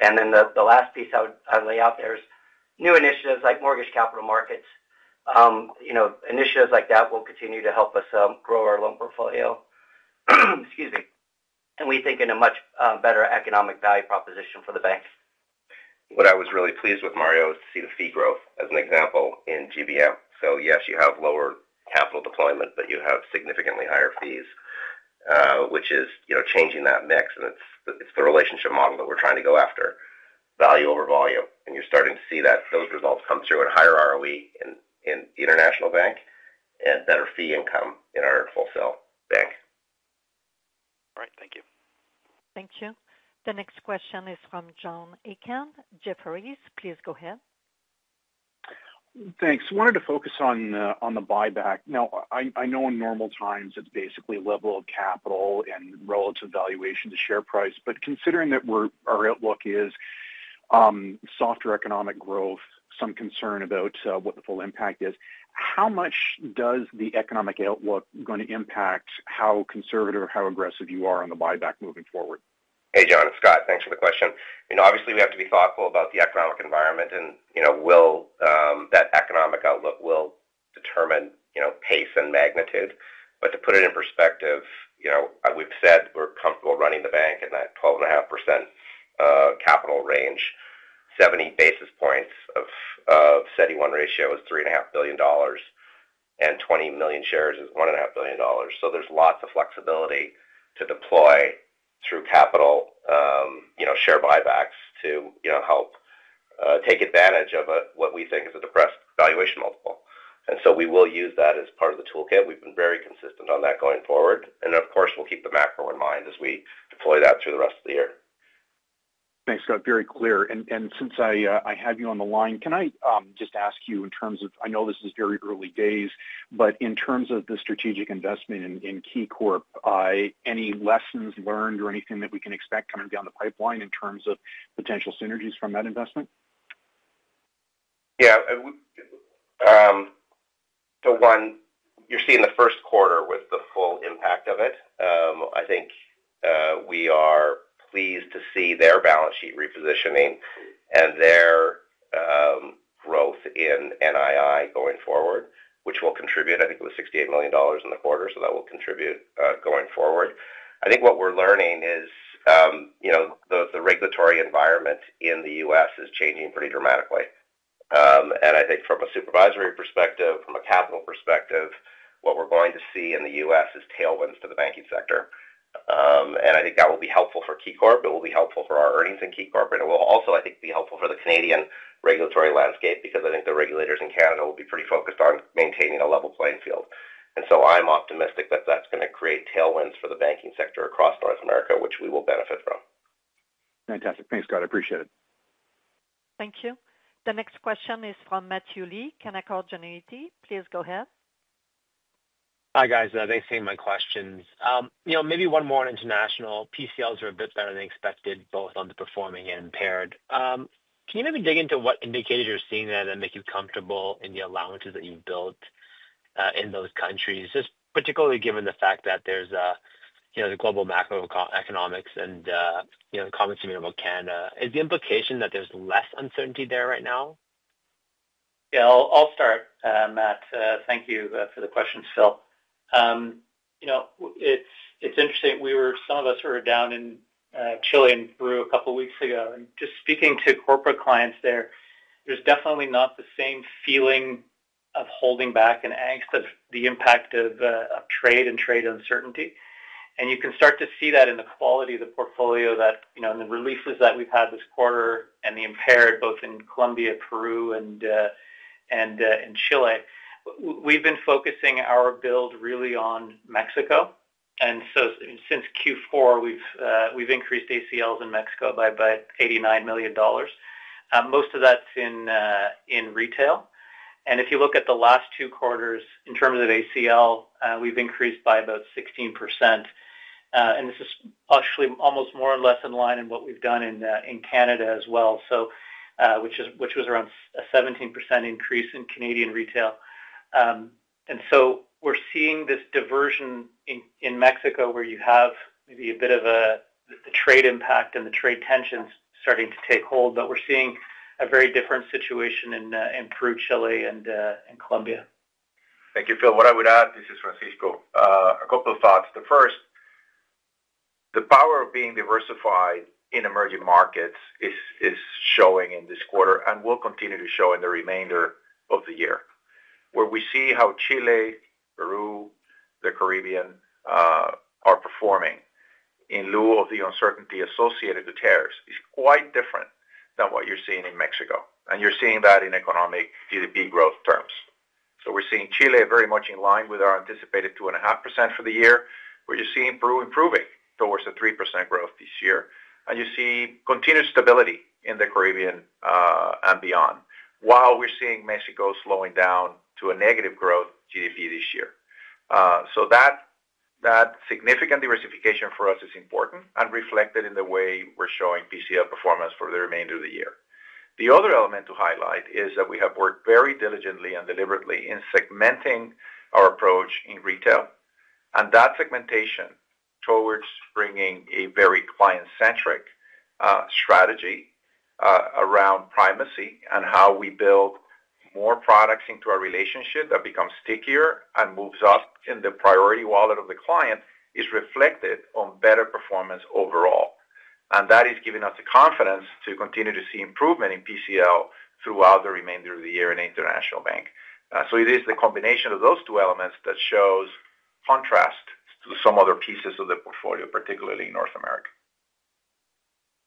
The last piece I would lay out there is new initiatives like mortgage capital markets. Initiatives like that will continue to help us grow our loan portfolio. Excuse me. We think in a much better economic value proposition for the bank. What I was really pleased with, Mario, is to see the fee growth as an example in GBM. Yes, you have lower capital deployment, but you have significantly higher fees, which is changing that mix. It is the relationship model that we are trying to go after, value over volume. You're starting to see those results come through in higher ROE in International Bank and better fee income in our wholesale bank. All right. Thank you. Thank you. The next question is from John Aiken Jefferies, please go ahead. Thanks. Wanted to focus on the buyback. Now, I know in normal times, it's basically level of capital and relative valuation to share price. Considering that our outlook is softer economic growth, some concern about what the full impact is, how much does the economic outlook going to impact how conservative or how aggressive you are on the buyback moving forward? Hey, John. It's Scott. Thanks for the question. Obviously, we have to be thoughtful about the economic environment, and that economic outlook will determine pace and magnitude. To put it in perspective, we've said we're comfortable running the bank in that 12.5% capital range. 70 basis points of steady one ratio is 3.5 billion dollars, and 20 million shares is 1.5 billion dollars. There is lots of flexibility to deploy through capital share buybacks to help take advantage of what we think is a depressed valuation multiple. We will use that as part of the toolkit. We have been very consistent on that going forward. Of course, we will keep the macro in mind as we deploy that through the rest of the year. Thanks, Scott. Very clear. Since I have you on the line, can I just ask you in terms of, I know this is very early days, but in terms of the strategic investment in KeyCorp, any lessons learned or anything that we can expect coming down the pipeline in terms of potential synergies from that investment? Yeah. One, you're seeing the first quarter with the full impact of it. I think we are pleased to see their balance sheet repositioning and their growth in NII going forward, which will contribute. I think it was $68 million in the quarter, so that will contribute going forward. I think what we're learning is the regulatory environment in the U.S. is changing pretty dramatically. I think from a supervisory perspective, from a capital perspective, what we're going to see in the U.S. is tailwinds to the banking sector. I think that will be helpful for KeyCorp, but it will be helpful for our earnings in KeyCorp. It will also, I think, be helpful for the Canadian regulatory landscape because I think the regulators in Canada will be pretty focused on maintaining a level playing field. I'm optimistic that that's going to create tailwinds for the banking sector across North America, which we will benefit from. Fantastic. Thanks, Scott. I appreciate it. Thank you. The next question is from Matthew Lee Canaccord. Please go ahead. Hi, guys. Thanks for my questions. Maybe one more on international. PCLs are a bit better than expected, both underperforming and impaired. Can you maybe dig into what indicators you're seeing that make you comfortable in the allowances that you've built in those countries, just particularly given the fact that there's the global macroeconomics and the comments you made about Canada. Is the implication that there's less uncertainty there right now? Yeah. I'll start, Matt. Thank you for the question, Phil. It's interesting. Some of us were down in Chile and Peru a couple of weeks ago. Just speaking to corporate clients there, there is definitely not the same feeling of holding back and angst of the impact of trade and trade uncertainty. You can start to see that in the quality of the portfolio, in the releases that we have had this quarter, and the impaired, both in Colombia, Peru, and in Chile. We have been focusing our build really on Mexico. Since Q4, we have increased ACLs in Mexico by about 89 million dollars. Most of that is in retail. If you look at the last two quarters, in terms of ACL, we have increased by about 16%. This is actually almost more or less in line with what we have done in Canada as well, which was around a 17% increase in Canadian retail. We're seeing this diversion in Mexico where you have maybe a bit of the trade impact and the trade tensions starting to take hold, but we're seeing a very different situation in Peru, Chile, and Colombia. Thank you, Phil. What I would add, this is Francisco. A couple of thoughts. The first, the power of being diversified in emerging markets is showing in this quarter and will continue to show in the remainder of the year. Where we see how Chile, Peru, the Caribbean are performing in lieu of the uncertainty associated with tariffs is quite different than what you're seeing in Mexico. You're seeing that in economic GDP growth terms. We're seeing Chile very much in line with our anticipated 2.5% for the year, where you're seeing Peru improving towards a 3% growth this year. You see continued stability in the Caribbean and beyond, while we're seeing Mexico slowing down to a negative growth GDP this year. That significant diversification for us is important and reflected in the way we're showing PCL performance for the remainder of the year. The other element to highlight is that we have worked very diligently and deliberately in segmenting our approach in retail. That segmentation towards bringing a very client-centric strategy around primacy and how we build more products into our relationship that becomes stickier and moves up in the priority wallet of the client is reflected on better performance overall. That is giving us the confidence to continue to see improvement in PCL throughout the remainder of the year in international bank. It is the combination of those two elements that shows contrast to some other pieces of the portfolio, particularly in North America.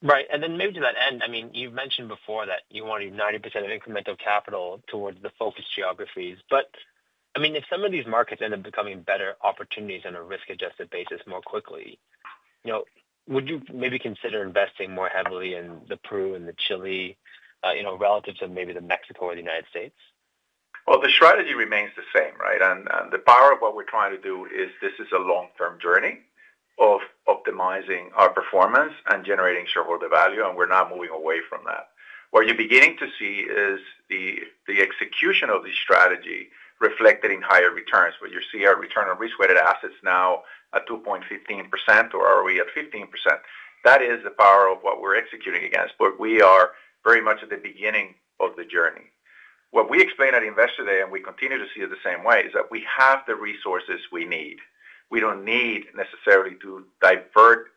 Right. And then maybe to that end, I mean, you've mentioned before that you wanted 90% of incremental capital towards the focus geographies. But I mean, if some of these markets end up becoming better opportunities on a risk-adjusted basis more quickly, would you maybe consider investing more heavily in the Peru and the Chile relative to maybe the Mexico or the United States? The strategy remains the same, right? And the power of what we're trying to do is this is a long-term journey of optimizing our performance and generating shareholder value. We are not moving away from that. What you're beginning to see is the execution of the strategy reflected in higher returns. When you see our return on risk-weighted assets now at 2.15% or ROE at 15%, that is the power of what we're executing against. We are very much at the beginning of the journey. What we explained at Investor Day, and we continue to see it the same way, is that we have the resources we need. We do not need necessarily to divert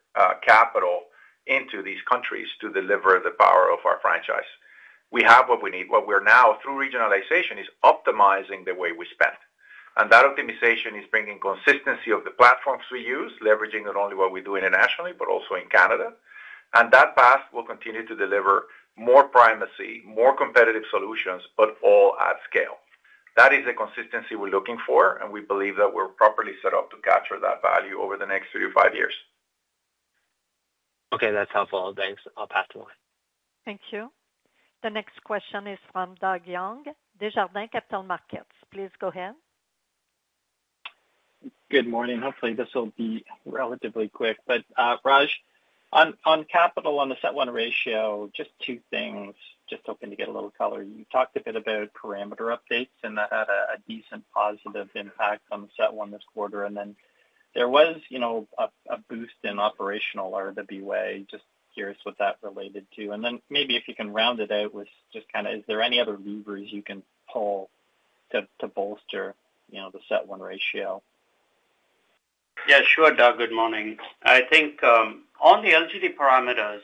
capital into these countries to deliver the power of our franchise. We have what we need. What we are now, through regionalization, is optimizing the way we spend. That optimization is bringing consistency of the platforms we use, leveraging not only what we do internationally, but also in Canada. That path will continue to deliver more primacy, more competitive solutions, but all at scale. That is the consistency we're looking for, and we believe that we're properly set up to capture that value over the next three to five years. Okay. That's helpful. Thanks. I'll pass the mic. Thank you. The next question is from Doug Young, Desjardins Capital Markets. Please go ahead. Good morning. Hopefully, this will be relatively quick. Raj, on capital, on the CET1 ratio, just two things, just hoping to get a little color. You talked a bit about parameter updates, and that had a decent positive impact on the CET1 this quarter. And then there was a boost in operational RWA. Just curious what that related to. And then maybe if you can round it out with just kind of, is there any other levers you can pull to bolster the CET1 ratio? Yeah. Sure, Doug. Good morning. I think on the LGD parameters,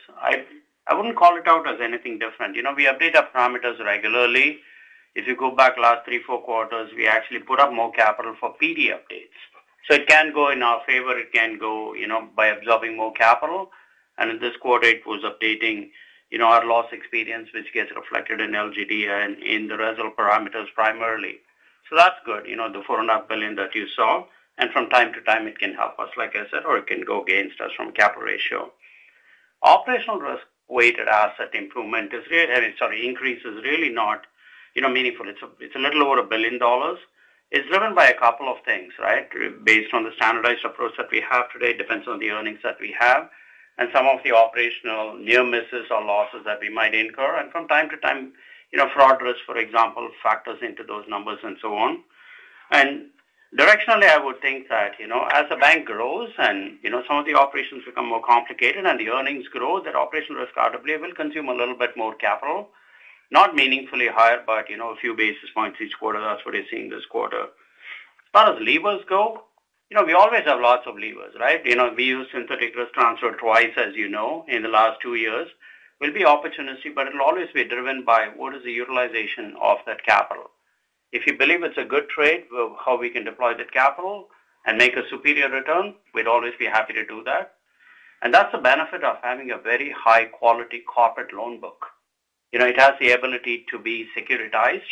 I would not call it out as anything different. We update our parameters regularly. If you go back last three, four quarters, we actually put up more capital for PD updates. It can go in our favor. It can go by absorbing more capital. In this quarter, it was updating our loss experience, which gets reflected in LGD and in the results parameters primarily. That is good. The 4.5 billion that you saw. From time to time, it can help us, like I said, or it can go against us from capital ratio. Operational risk-weighted asset improvement is really—I mean, sorry, increase is really not meaningful. It is a little over 1 billion dollars. It is driven by a couple of things, right? Based on the standardized approach that we have today, it depends on the earnings that we have and some of the operational near misses or losses that we might incur. From time to time, fraud risk, for example, factors into those numbers and so on. Directionally, I would think that as the bank grows and some of the operations become more complicated and the earnings grow, that operational risk arguably will consume a little bit more capital, not meaningfully higher, but a few basis points each quarter. That is what you are seeing this quarter. As far as levers go, we always have lots of levers, right? We used synthetic risk transfer twice, as you know, in the last two years. It will be opportunity, but it will always be driven by what is the utilization of that capital. If you believe it's a good trade of how we can deploy that capital and make a superior return, we'd always be happy to do that. That's the benefit of having a very high-quality corporate loan book. It has the ability to be securitized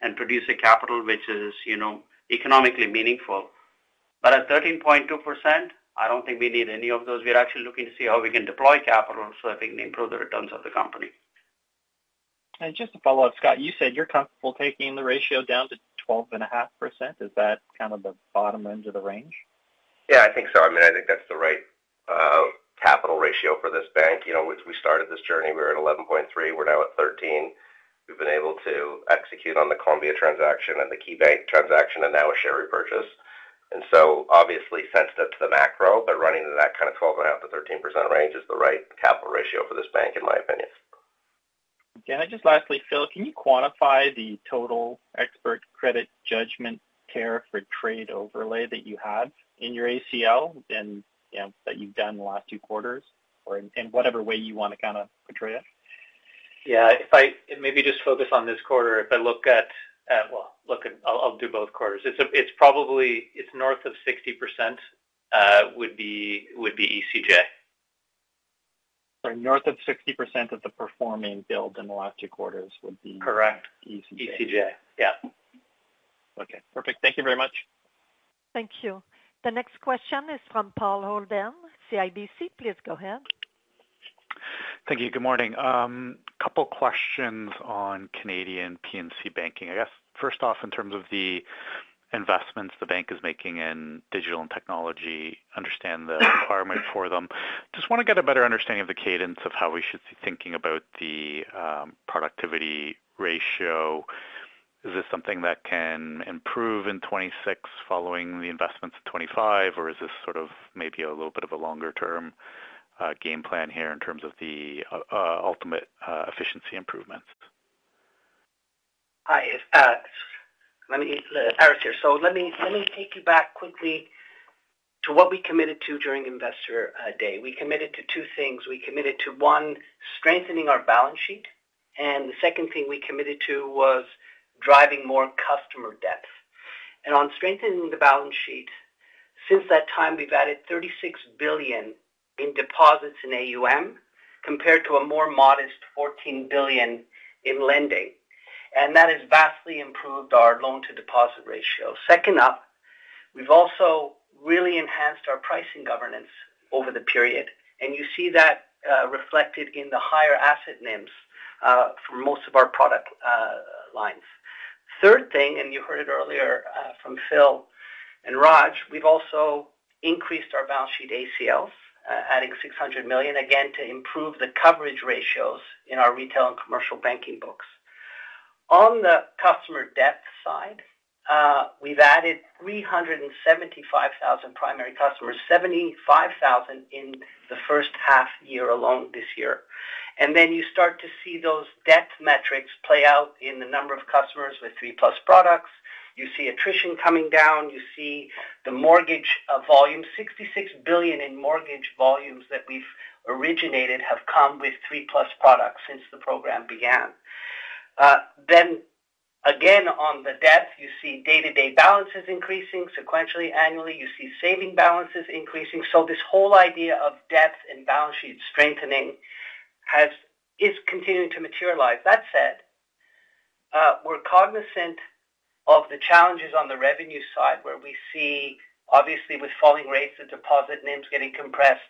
and produce a capital which is economically meaningful. At 13.2%, I don't think we need any of those. We're actually looking to see how we can deploy capital so that we can improve the returns of the company. Just to follow up, Scott, you said you're comfortable taking the ratio down to 12.5%. Is that kind of the bottom end of the range? Yeah, I think so. I mean, I think that's the right capital ratio for this bank. As we started this journey, we were at 11.3. We're now at 13. We've been able to execute on the Colombia transaction and the KeyCorp transaction and now a share repurchase. Obviously sensitive to the macro, but running in that kind of 12.5%-13% range is the right capital ratio for this bank, in my opinion. Can I just lastly, Phil, can you quantify the total expert credit judgment tariff or trade overlay that you have in your ACL and that you've done the last two quarters or in whatever way you want to kind of portray it? Yeah. If I maybe just focus on this quarter, if I look at—look at—I'll do both quarters. It's north of 60% would be ECJ. So north of 60% of the performing build in the last two quarters would be ECJ. Correct. ECJ. Yeah. Okay. Perfect. Thank you very much. Thank you. The next question is from Paul Holden, CIBC.Please go ahead. Thank you. Good morning. A couple of questions on Canadian PNC banking. I guess first off, in terms of the investments the bank is making in digital and technology, understand the requirement for them. Just want to get a better understanding of the cadence of how we should be thinking about the productivity ratio. Is this something that can improve in 2026 following the investments in 2025, or is this sort of maybe a little bit of a longer-term game plan here in terms of the ultimate efficiency improvements? Hi. Let me address here. So let me take you back quickly to what we committed to during Investor Day. We committed to two things. We committed to, one, strengthening our balance sheet. And the second thing we committed to was driving more customer depth. On strengthening the balance sheet, since that time, we've added 36 billion in deposits in AUM compared to a more modest 14 billion in lending. That has vastly improved our loan-to-deposit ratio. Next, we've also really enhanced our pricing governance over the period. You see that reflected in the higher asset NIMs for most of our product lines. Third, and you heard it earlier from Phil and Raj, we've also increased our balance sheet ACLs, adding 600 million again to improve the coverage ratios in our retail and commercial banking books. On the customer depth side, we've added 375,000 primary customers, 75,000 in the first half year alone this year. You start to see those depth metrics play out in the number of customers with 3+ products. You see attrition coming down. You see the mortgage volume. 66 billion in mortgage volumes that we've originated have come with 3+ products since the program began. You see day-to-day balances increasing sequentially. Annually, you see saving balances increasing. This whole idea of debt and balance sheet strengthening is continuing to materialize. That said, we're cognizant of the challenges on the revenue side where we see, obviously, with falling rates, the deposit NIMs getting compressed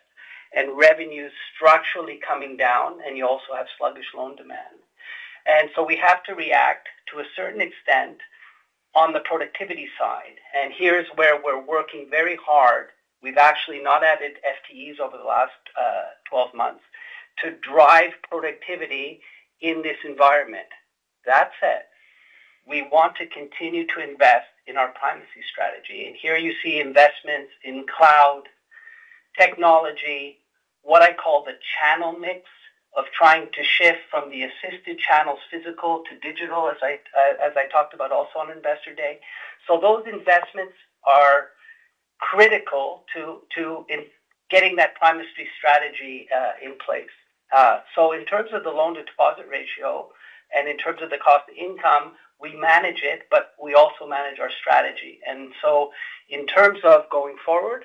and revenues structurally coming down, and you also have sluggish loan demand. We have to react to a certain extent on the productivity side. Here's where we're working very hard. We've actually not added FTEs over the last 12 months to drive productivity in this environment. That said, we want to continue to invest in our primacy strategy. Here you see investments in cloud technology, what I call the channel mix of trying to shift from the assisted channels physical to digital, as I talked about also on Investor Day. Those investments are critical to getting that primacy strategy in place. In terms of the loan-to-deposit ratio and in terms of the cost of income, we manage it, but we also manage our strategy. In terms of going forward,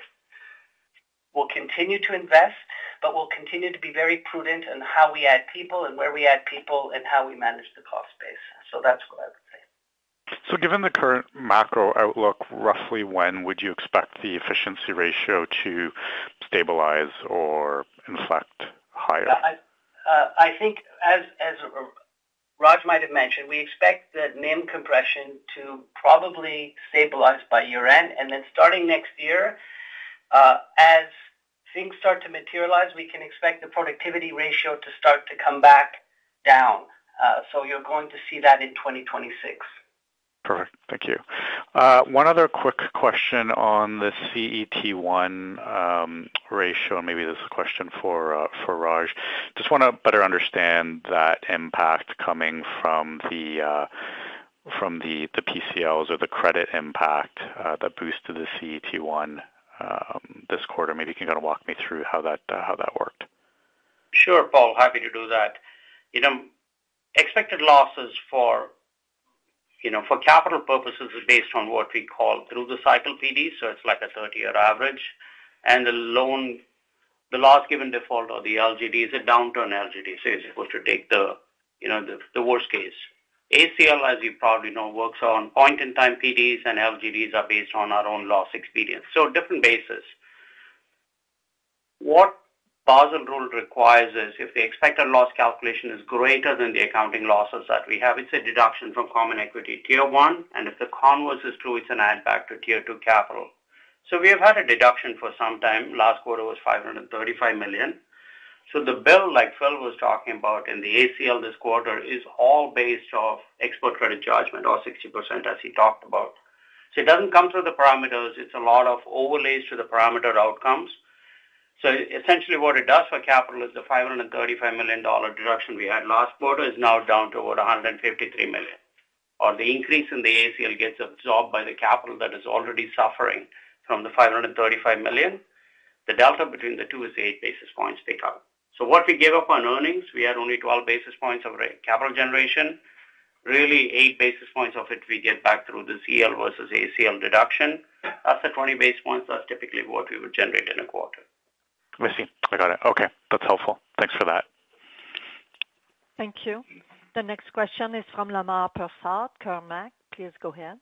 we'll continue to invest, but we'll continue to be very prudent in how we add people and where we add people and how we manage the cost base. That's what I would say. Given the current macro outlook, roughly when would you expect the efficiency ratio to stabilize or inflect higher? I think, as Raj might have mentioned, we expect the NIM compression to probably stabilize by year-end. Starting next year, as things start to materialize, we can expect the productivity ratio to start to come back down. You are going to see that in 2026. Perfect. Thank you. One other quick question on the CET1 ratio. Maybe this is a question for Raj. Just want to better understand that impact coming from the PCLs or the credit impact that boosted the CET1 this quarter. Maybe you can kind of walk me through how that worked. Sure, Paul. Happy to do that. Expected losses for capital purposes are based on what we call through-the-cycle PDs. It is like a 30-year average. The loss given default or the LGD is a downturn LGD. You are supposed to take the worst case. ACL, as you probably know, works on point-in-time PDs, and LGDs are based on our own loss experience. Different basis. What Basel Rule requires is if the expected loss calculation is greater than the accounting losses that we have, it's a deduction from common equity tier one. If the converse is true, it's an add-back to tier two capital. We have had a deduction for some time. Last quarter was 535 million. The bill, like Phil was talking about, and the ACL this quarter is all based off expert credit judgment or 60%, as he talked about. It doesn't come through the parameters. It's a lot of overlays to the parameter outcomes. Essentially, what it does for capital is the 535 million dollar deduction we had last quarter is now down to about 153 million. The increase in the ACL gets absorbed by the capital that is already suffering from the 535 million. The delta between the two is 8 basis points because. What we gave up on earnings, we had only 12 basis points of capital generation. Really, 8 basis points of it we get back through the CL versus ACL deduction. That is the 20 basis points. That is typically what we would generate in a quarter. I see. I got it. Okay. That is helpful. Thanks for that. Thank you. The next question is from Lemar Persaud, Kermark. Please go ahead.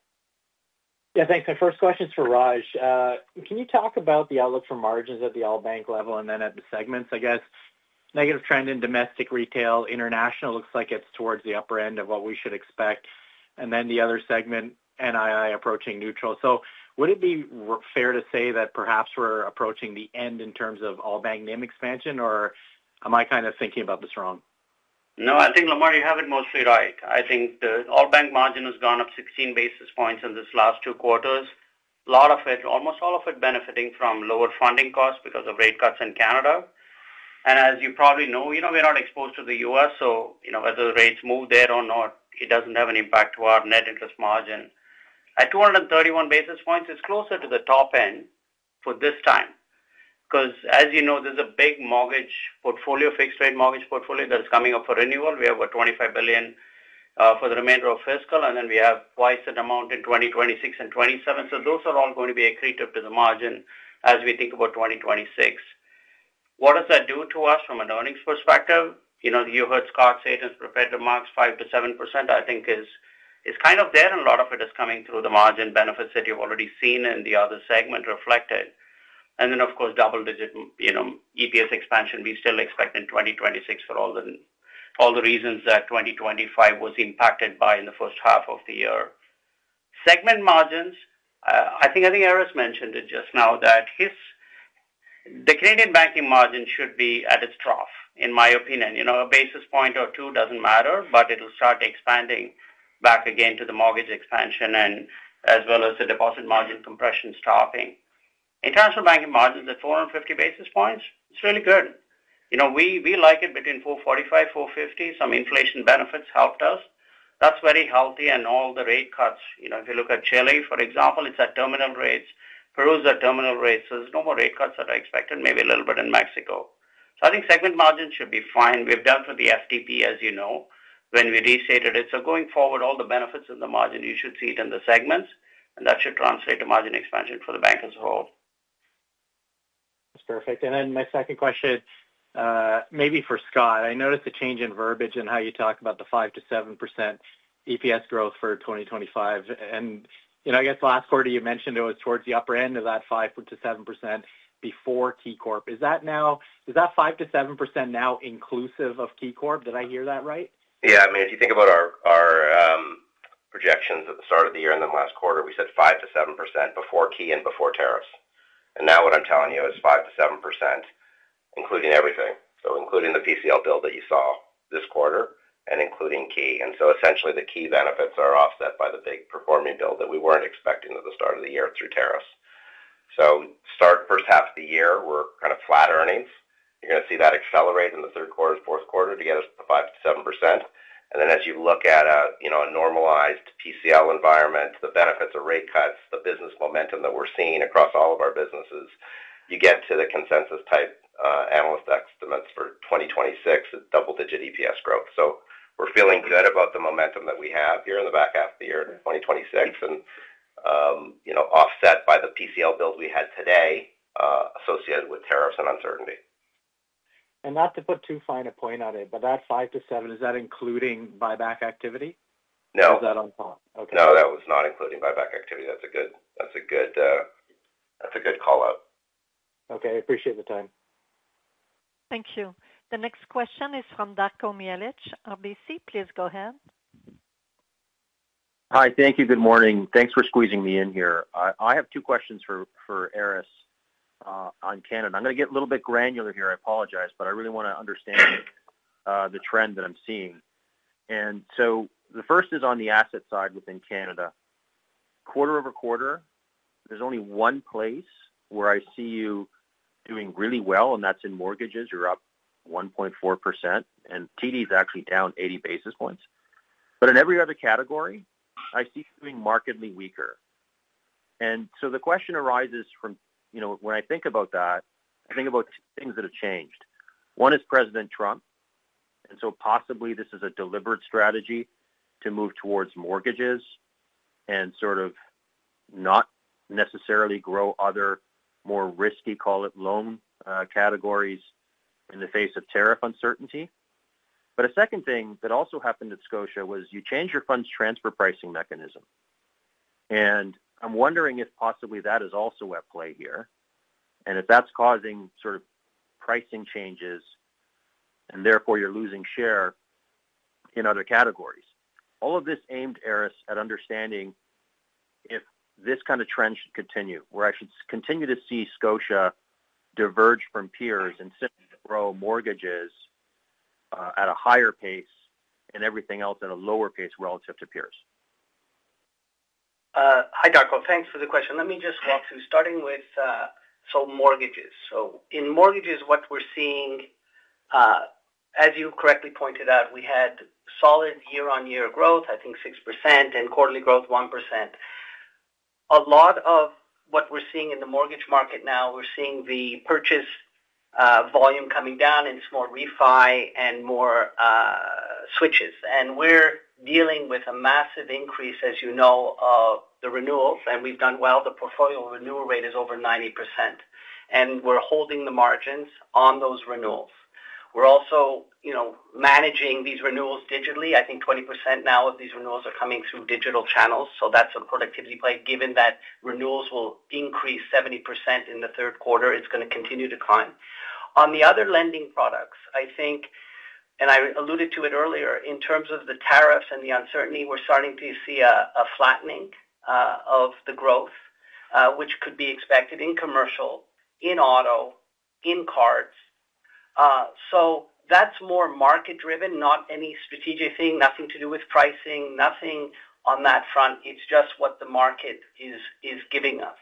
Yeah. Thanks. My first question is for Raj. Can you talk about the outlook for margins at the all-bank level and then at the segments? I guess negative trend in domestic retail. International looks like it is towards the upper end of what we should expect. And then the other segment, NII approaching neutral. Would it be fair to say that perhaps we are approaching the end in terms of all-bank NIM expansion, or am I kind of thinking about this wrong? No, I think, Lemar, you have it mostly right. I think the all-bank margin has gone up 16 basis points in these last two quarters. A lot of it, almost all of it, benefiting from lower funding costs because of rate cuts in Canada. As you probably know, we are not exposed to the U.S., so whether the rates move there or not, it does not have an impact to our net interest margin. At 231 basis points, it is closer to the top end for this time. As you know, there is a big mortgage portfolio, fixed-rate mortgage portfolio that is coming up for renewal. We have about 25 billion for the remainder of fiscal, and then we have twice that amount in 2026 and 2027. Those are all going to be accretive to the margin as we think about 2026. What does that do to us from an earnings perspective? You heard Scott say it has prepared the marks 5-7%, I think is kind of there, and a lot of it is coming through the margin benefits that you've already seen in the other segment reflected. Of course, double-digit EPS expansion we still expect in 2026 for all the reasons that 2025 was impacted by in the first half of the year. Segment margins, I think Eric mentioned it just now that the Canadian banking margin should be at its trough, in my opinion. A basis point or two doesn't matter, but it'll start expanding back again to the mortgage expansion and as well as the deposit margin compression stopping. International banking margins at 450 basis points, it's really good. We like it between 445-450. Some inflation benefits helped us. That's very healthy. All the rate cuts, if you look at Chile, for example, it is at terminal rates. Peru is at terminal rates. There are no more rate cuts that are expected, maybe a little bit in Mexico. I think segment margins should be fine. We have done for the FTP, as you know, when we restated it. Going forward, all the benefits in the margin, you should see it in the segments, and that should translate to margin expansion for the bank as a whole. That is perfect. My second question, maybe for Scott, I noticed a change in verbiage in how you talk about the 5-7% EPS growth for 2025. I guess last quarter, you mentioned it was towards the upper end of that 5-7% before KeyCorp. Is that 5-7% now inclusive of KeyCorp? Did I hear that right? Yeah. I mean, if you think about our projections at the start of the year and then last quarter, we said 5-7% before key and before tariffs. Now what I'm telling you is 5-7%, including everything. So including the PCL build that you saw this quarter and including key. Essentially, the key benefits are offset by the big performing build that we were not expecting at the start of the year through tariffs. Start first half of the year, we are kind of flat earnings. You are going to see that accelerate in the third quarter, fourth quarter to get us to 5-7%. As you look at a normalized PCL environment, the benefits of rate cuts, the business momentum that we are seeing across all of our businesses, you get to the consensus type analyst estimates for 2026 at double-digit EPS growth. We're feeling good about the momentum that we have here in the back half of the year in 2026 and offset by the PCL build we had today associated with tariffs and uncertainty. Not to put too fine a point on it, but that 5-7, is that including buyback activity? No. Is that on top? Okay. No, that was not including buyback activity. That's a good call-out. Okay. I appreciate the time. Thank you. The next question is from Darko Mihelic, RBC. Please go ahead. Hi. Thank you. Good morning. Thanks for squeezing me in here. I have two questions for Aris on Canada. I'm going to get a little bit granular here. I apologize, but I really want to understand the trend that I'm seeing. The first is on the asset side within Canada. Quarter over quarter, there's only one place where I see you doing really well, and that's in mortgages. You're up 1.4%. TD is actually down 80 basis points. In every other category, I see you doing markedly weaker. The question arises from when I think about that, I think about things that have changed. One is President Trump. Possibly this is a deliberate strategy to move towards mortgages and sort of not necessarily grow other more risky, call it loan categories in the face of tariff uncertainty. A second thing that also happened at Scotia was you changed your funds transfer pricing mechanism. I'm wondering if possibly that is also at play here, and if that's causing sort of pricing changes and therefore you're losing share in other categories. All of this aimed, Aris, at understanding if this kind of trend should continue, where I should continue to see Scotia diverge from peers and simply grow mortgages at a higher pace and everything else at a lower pace relative to peers. Hi, Darko. Thanks for the question. Let me just walk through. Starting with, so mortgages. In mortgages, what we are seeing, as you correctly pointed out, we had solid year-on-year growth, I think 6%, and quarterly growth 1%. A lot of what we are seeing in the mortgage market now, we are seeing the purchase volume coming down, and it is more refi and more switches. We are dealing with a massive increase, as you know, of the renewals. We have done well. The portfolio renewal rate is over 90%. We are holding the margins on those renewals. We are also managing these renewals digitally. I think 20% now of these renewals are coming through digital channels. That is a productivity play. Given that renewals will increase 70% in the third quarter, it is going to continue to climb. On the other lending products, I think, and I alluded to it earlier, in terms of the tariffs and the uncertainty, we are starting to see a flattening of the growth, which could be expected in commercial, in auto, in cards. That is more market-driven, not any strategic thing, nothing to do with pricing, nothing on that front. It is just what the market is giving us.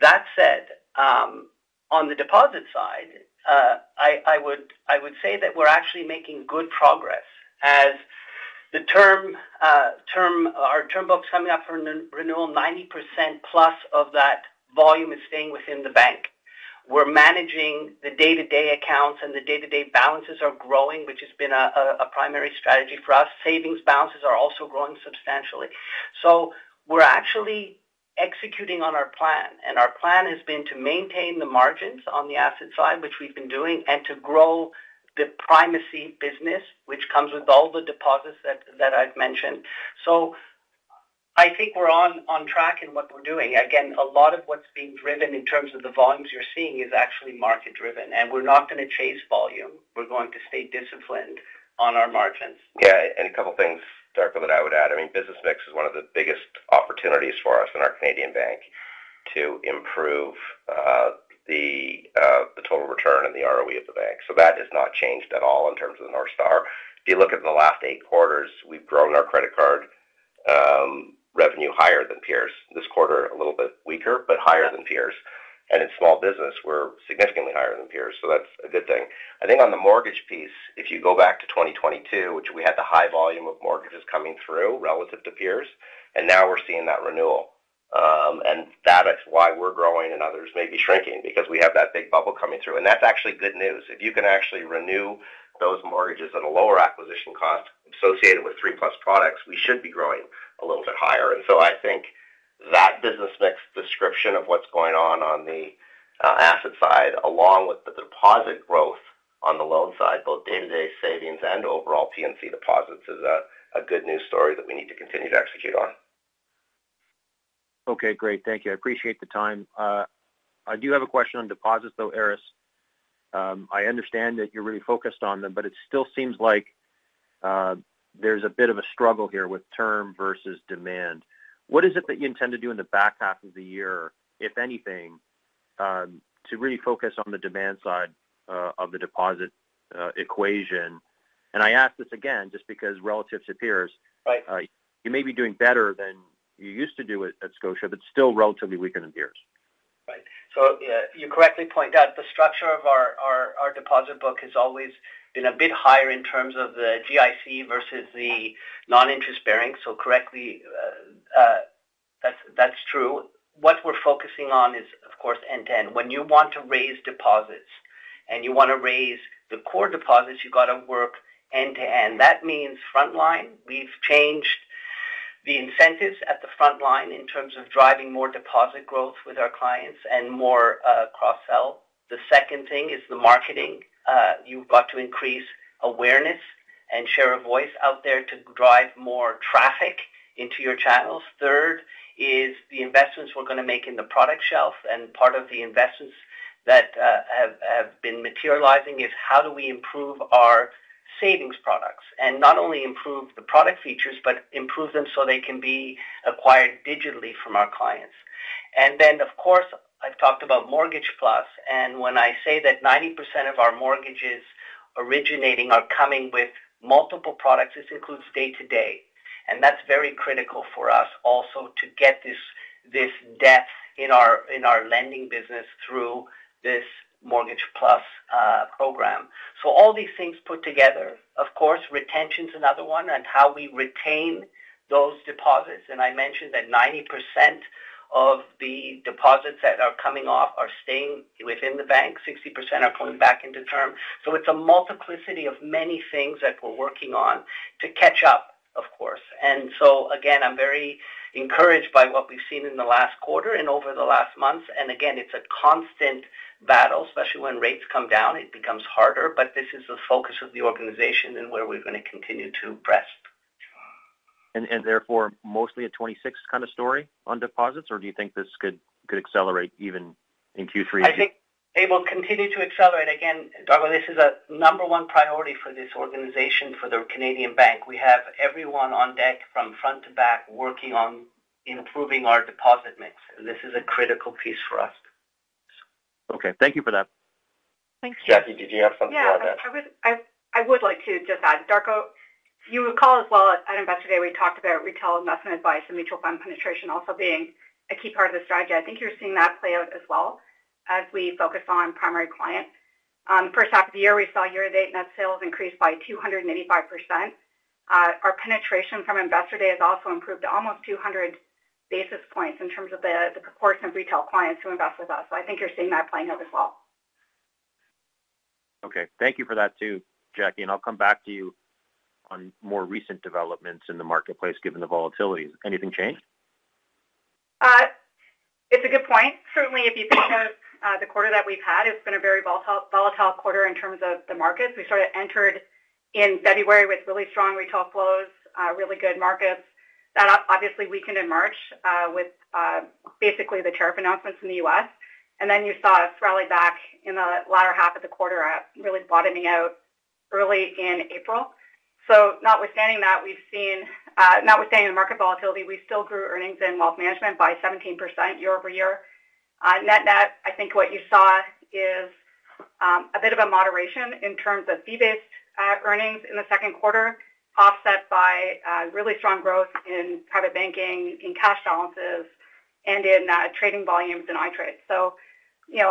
That said, on the deposit side, I would say that we are actually making good progress as our term book is coming up for renewal. 90% plus of that volume is staying within the bank. We are managing the day-to-day accounts, and the day-to-day balances are growing, which has been a primary strategy for us. Savings balances are also growing substantially. We are actually executing on our plan. Our plan has been to maintain the margins on the asset side, which we have been doing, and to grow the primacy business, which comes with all the deposits that I have mentioned. I think we are on track in what we are doing. Again, a lot of what is being driven in terms of the volumes you are seeing is actually market-driven. We are not going to chase volume. We are going to stay disciplined on our margins. Yeah. A couple of things, Darko, that I would add. I mean, business mix is one of the biggest opportunities for us in our Canadian bank to improve the total return and the ROE of the bank. That has not changed at all in terms of the North Star. If you look at the last eight quarters, we've grown our credit card revenue higher than peers. This quarter, a little bit weaker, but higher than peers. In small business, we're significantly higher than peers. That's a good thing. I think on the mortgage piece, if you go back to 2022, which we had the high volume of mortgages coming through relative to peers, and now we're seeing that renewal. That is why we're growing and others may be shrinking because we have that big bubble coming through. That's actually good news. If you can actually renew those mortgages at a lower acquisition cost associated with three-plus products, we should be growing a little bit higher. I think that business mix description of what's going on on the asset side, along with the deposit growth on the loan side, both day-to-day savings and overall P&C deposits, is a good news story that we need to continue to execute on. Okay. Great. Thank you. I appreciate the time. I do have a question on deposits, though, Aris. I understand that you're really focused on them, but it still seems like there's a bit of a struggle here with term versus demand. What is it that you intend to do in the back half of the year, if anything, to really focus on the demand side of the deposit equation? I ask this again just because relative to peers, you may be doing better than you used to do at Scotia, but still relatively weaker than peers. Right. You correctly point out the structure of our deposit book has always been a bit higher in terms of the GIC versus the non-interest bearing. That is true. What we are focusing on is, of course, end-to-end. When you want to raise deposits and you want to raise the core deposits, you have to work end-to-end. That means frontline. We have changed the incentives at the frontline in terms of driving more deposit growth with our clients and more cross-sell. The second thing is the marketing. You have to increase awareness and share of voice out there to drive more traffic into your channels. Third is the investments we are going to make in the product shelf. Part of the investments that have been materializing is how do we improve our savings products and not only improve the product features, but improve them so they can be acquired digitally from our clients. I have talked about mortgage plus. When I say that 90% of our mortgages originating are coming with multiple products, this includes day-to-day. That is very critical for us also to get this depth in our lending business through this mortgage plus program. All these things put together, retention is another one and how we retain those deposits. I mentioned that 90% of the deposits that are coming off are staying within the bank. 60% are going back into term. It is a multiplicity of many things that we are working on to catch up, of course. I'm very encouraged by what we've seen in the last quarter and over the last months. It's a constant battle, especially when rates come down. It becomes harder, but this is the focus of the organization and where we're going to continue to press. Therefore, mostly a 2026 kind of story on deposits, or do you think this could accelerate even in Q3? I think it will continue to accelerate. Again, Darko, this is a number one priority for this organization, for the Canadian bank. We have everyone on deck from front to back working on improving our deposit mix. This is a critical piece for us. Okay. Thank you for that. Thank you. Jackie, did you have something to add? Yeah. I would like to just add, Darko, you recall as well at Investor Day, we talked about retail investment advice and mutual fund penetration also being a key part of the strategy. I think you're seeing that play out as well as we focus on primary clients. First half of the year, we saw year-to-date net sales increase by 285%. Our penetration from Investor Day has also improved to almost 200 basis points in terms of the proportion of retail clients who invest with us. I think you're seeing that playing out as well. Okay. Thank you for that too, Jackie. I'll come back to you on more recent developments in the marketplace given the volatilities. Anything changed? It's a good point. Certainly, if you think of the quarter that we've had, it's been a very volatile quarter in terms of the markets. We sort of entered in February with really strong retail flows, really good markets. That obviously weakened in March with basically the tariff announcements in the U.S. You saw us rally back in the latter half of the quarter at really bottoming out early in April. Notwithstanding that, we've seen, notwithstanding the market volatility, we still grew earnings in wealth management by 17% year-over-year. Net-net, I think what you saw is a bit of a moderation in terms of fee-based earnings in the second quarter, offset by really strong growth in private banking, in cash balances, and in trading volumes in iTrade.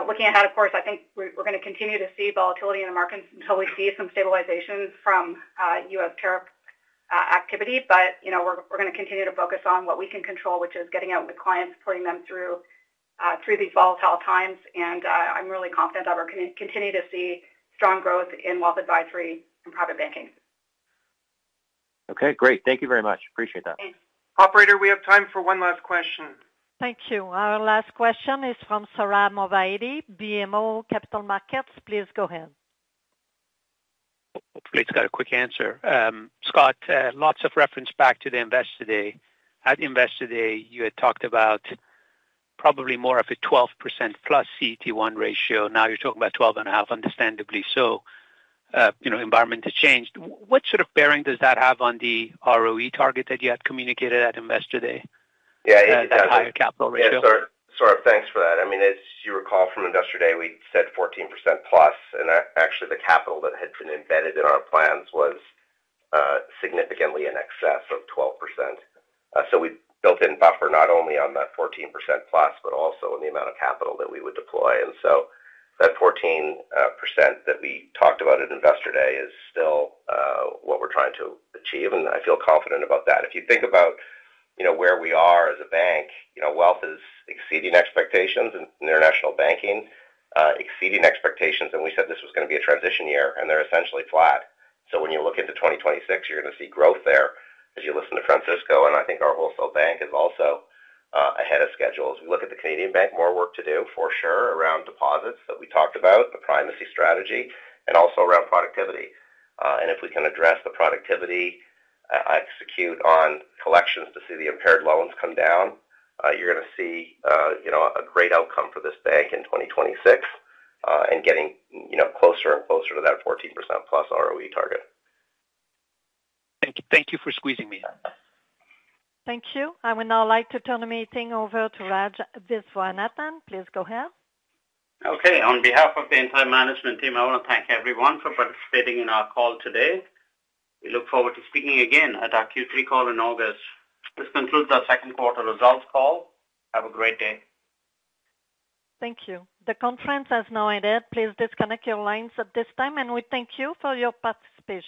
Looking ahead, of course, I think we're going to continue to see volatility in the markets until we see some stabilization from U.S. tariff activity. We're going to continue to focus on what we can control, which is getting out with clients, supporting them through these volatile times. I'm really confident that we're going to continue to see strong growth in wealth advisory and private banking. Okay. Great. Thank you very much. Appreciate that. Operator, we have time for one last question. Thank you. Our last question is from Sara Movaiti, BMO Capital Markets. Please go ahead. Hopefully, it's got a quick answer. Scott, lots of reference back to the Investor Day. At Investor Day, you had talked about probably more of a 12%+ CET1 ratio. Now you're talking about 12.5%, understandably so. Environment has changed. What sort of bearing does that have on the ROE target that you had communicated at Investor Day? Yeah, it does. The higher capital ratio. Yeah. Thanks for that. I mean, as you recall from Investor Day, we said 14%+. Actually, the capital that had been embedded in our plans was significantly in excess of 12%. We built in buffer not only on that 14%+, but also in the amount of capital that we would deploy. That 14% that we talked about at Investor Day is still what we're trying to achieve. I feel confident about that. If you think about where we are as a bank, wealth is exceeding expectations and international banking exceeding expectations. We said this was going to be a transition year, and they're essentially flat. When you look into 2026, you're going to see growth there as you listen to Francisco. I think our wholesale bank is also ahead of schedule. As we look at the Canadian bank, more work to do for sure around deposits that we talked about, the primacy strategy, and also around productivity. If we can address the productivity, execute on collections to see the impaired loans come down, you're going to see a great outcome for this bank in 2026 and getting closer and closer to that 14%+ ROE target. Thank you for squeezing me. Thank you. I would now like to turn the meeting over to Raj Viswanathan. Please go ahead. Okay. On behalf of the entire management team, I want to thank everyone for participating in our call today. We look forward to speaking again at our Q3 call in August. This concludes our second quarter results call. Have a great day. Thank you. The conference has now ended. Please disconnect your lines at this time, and we thank you for your participation.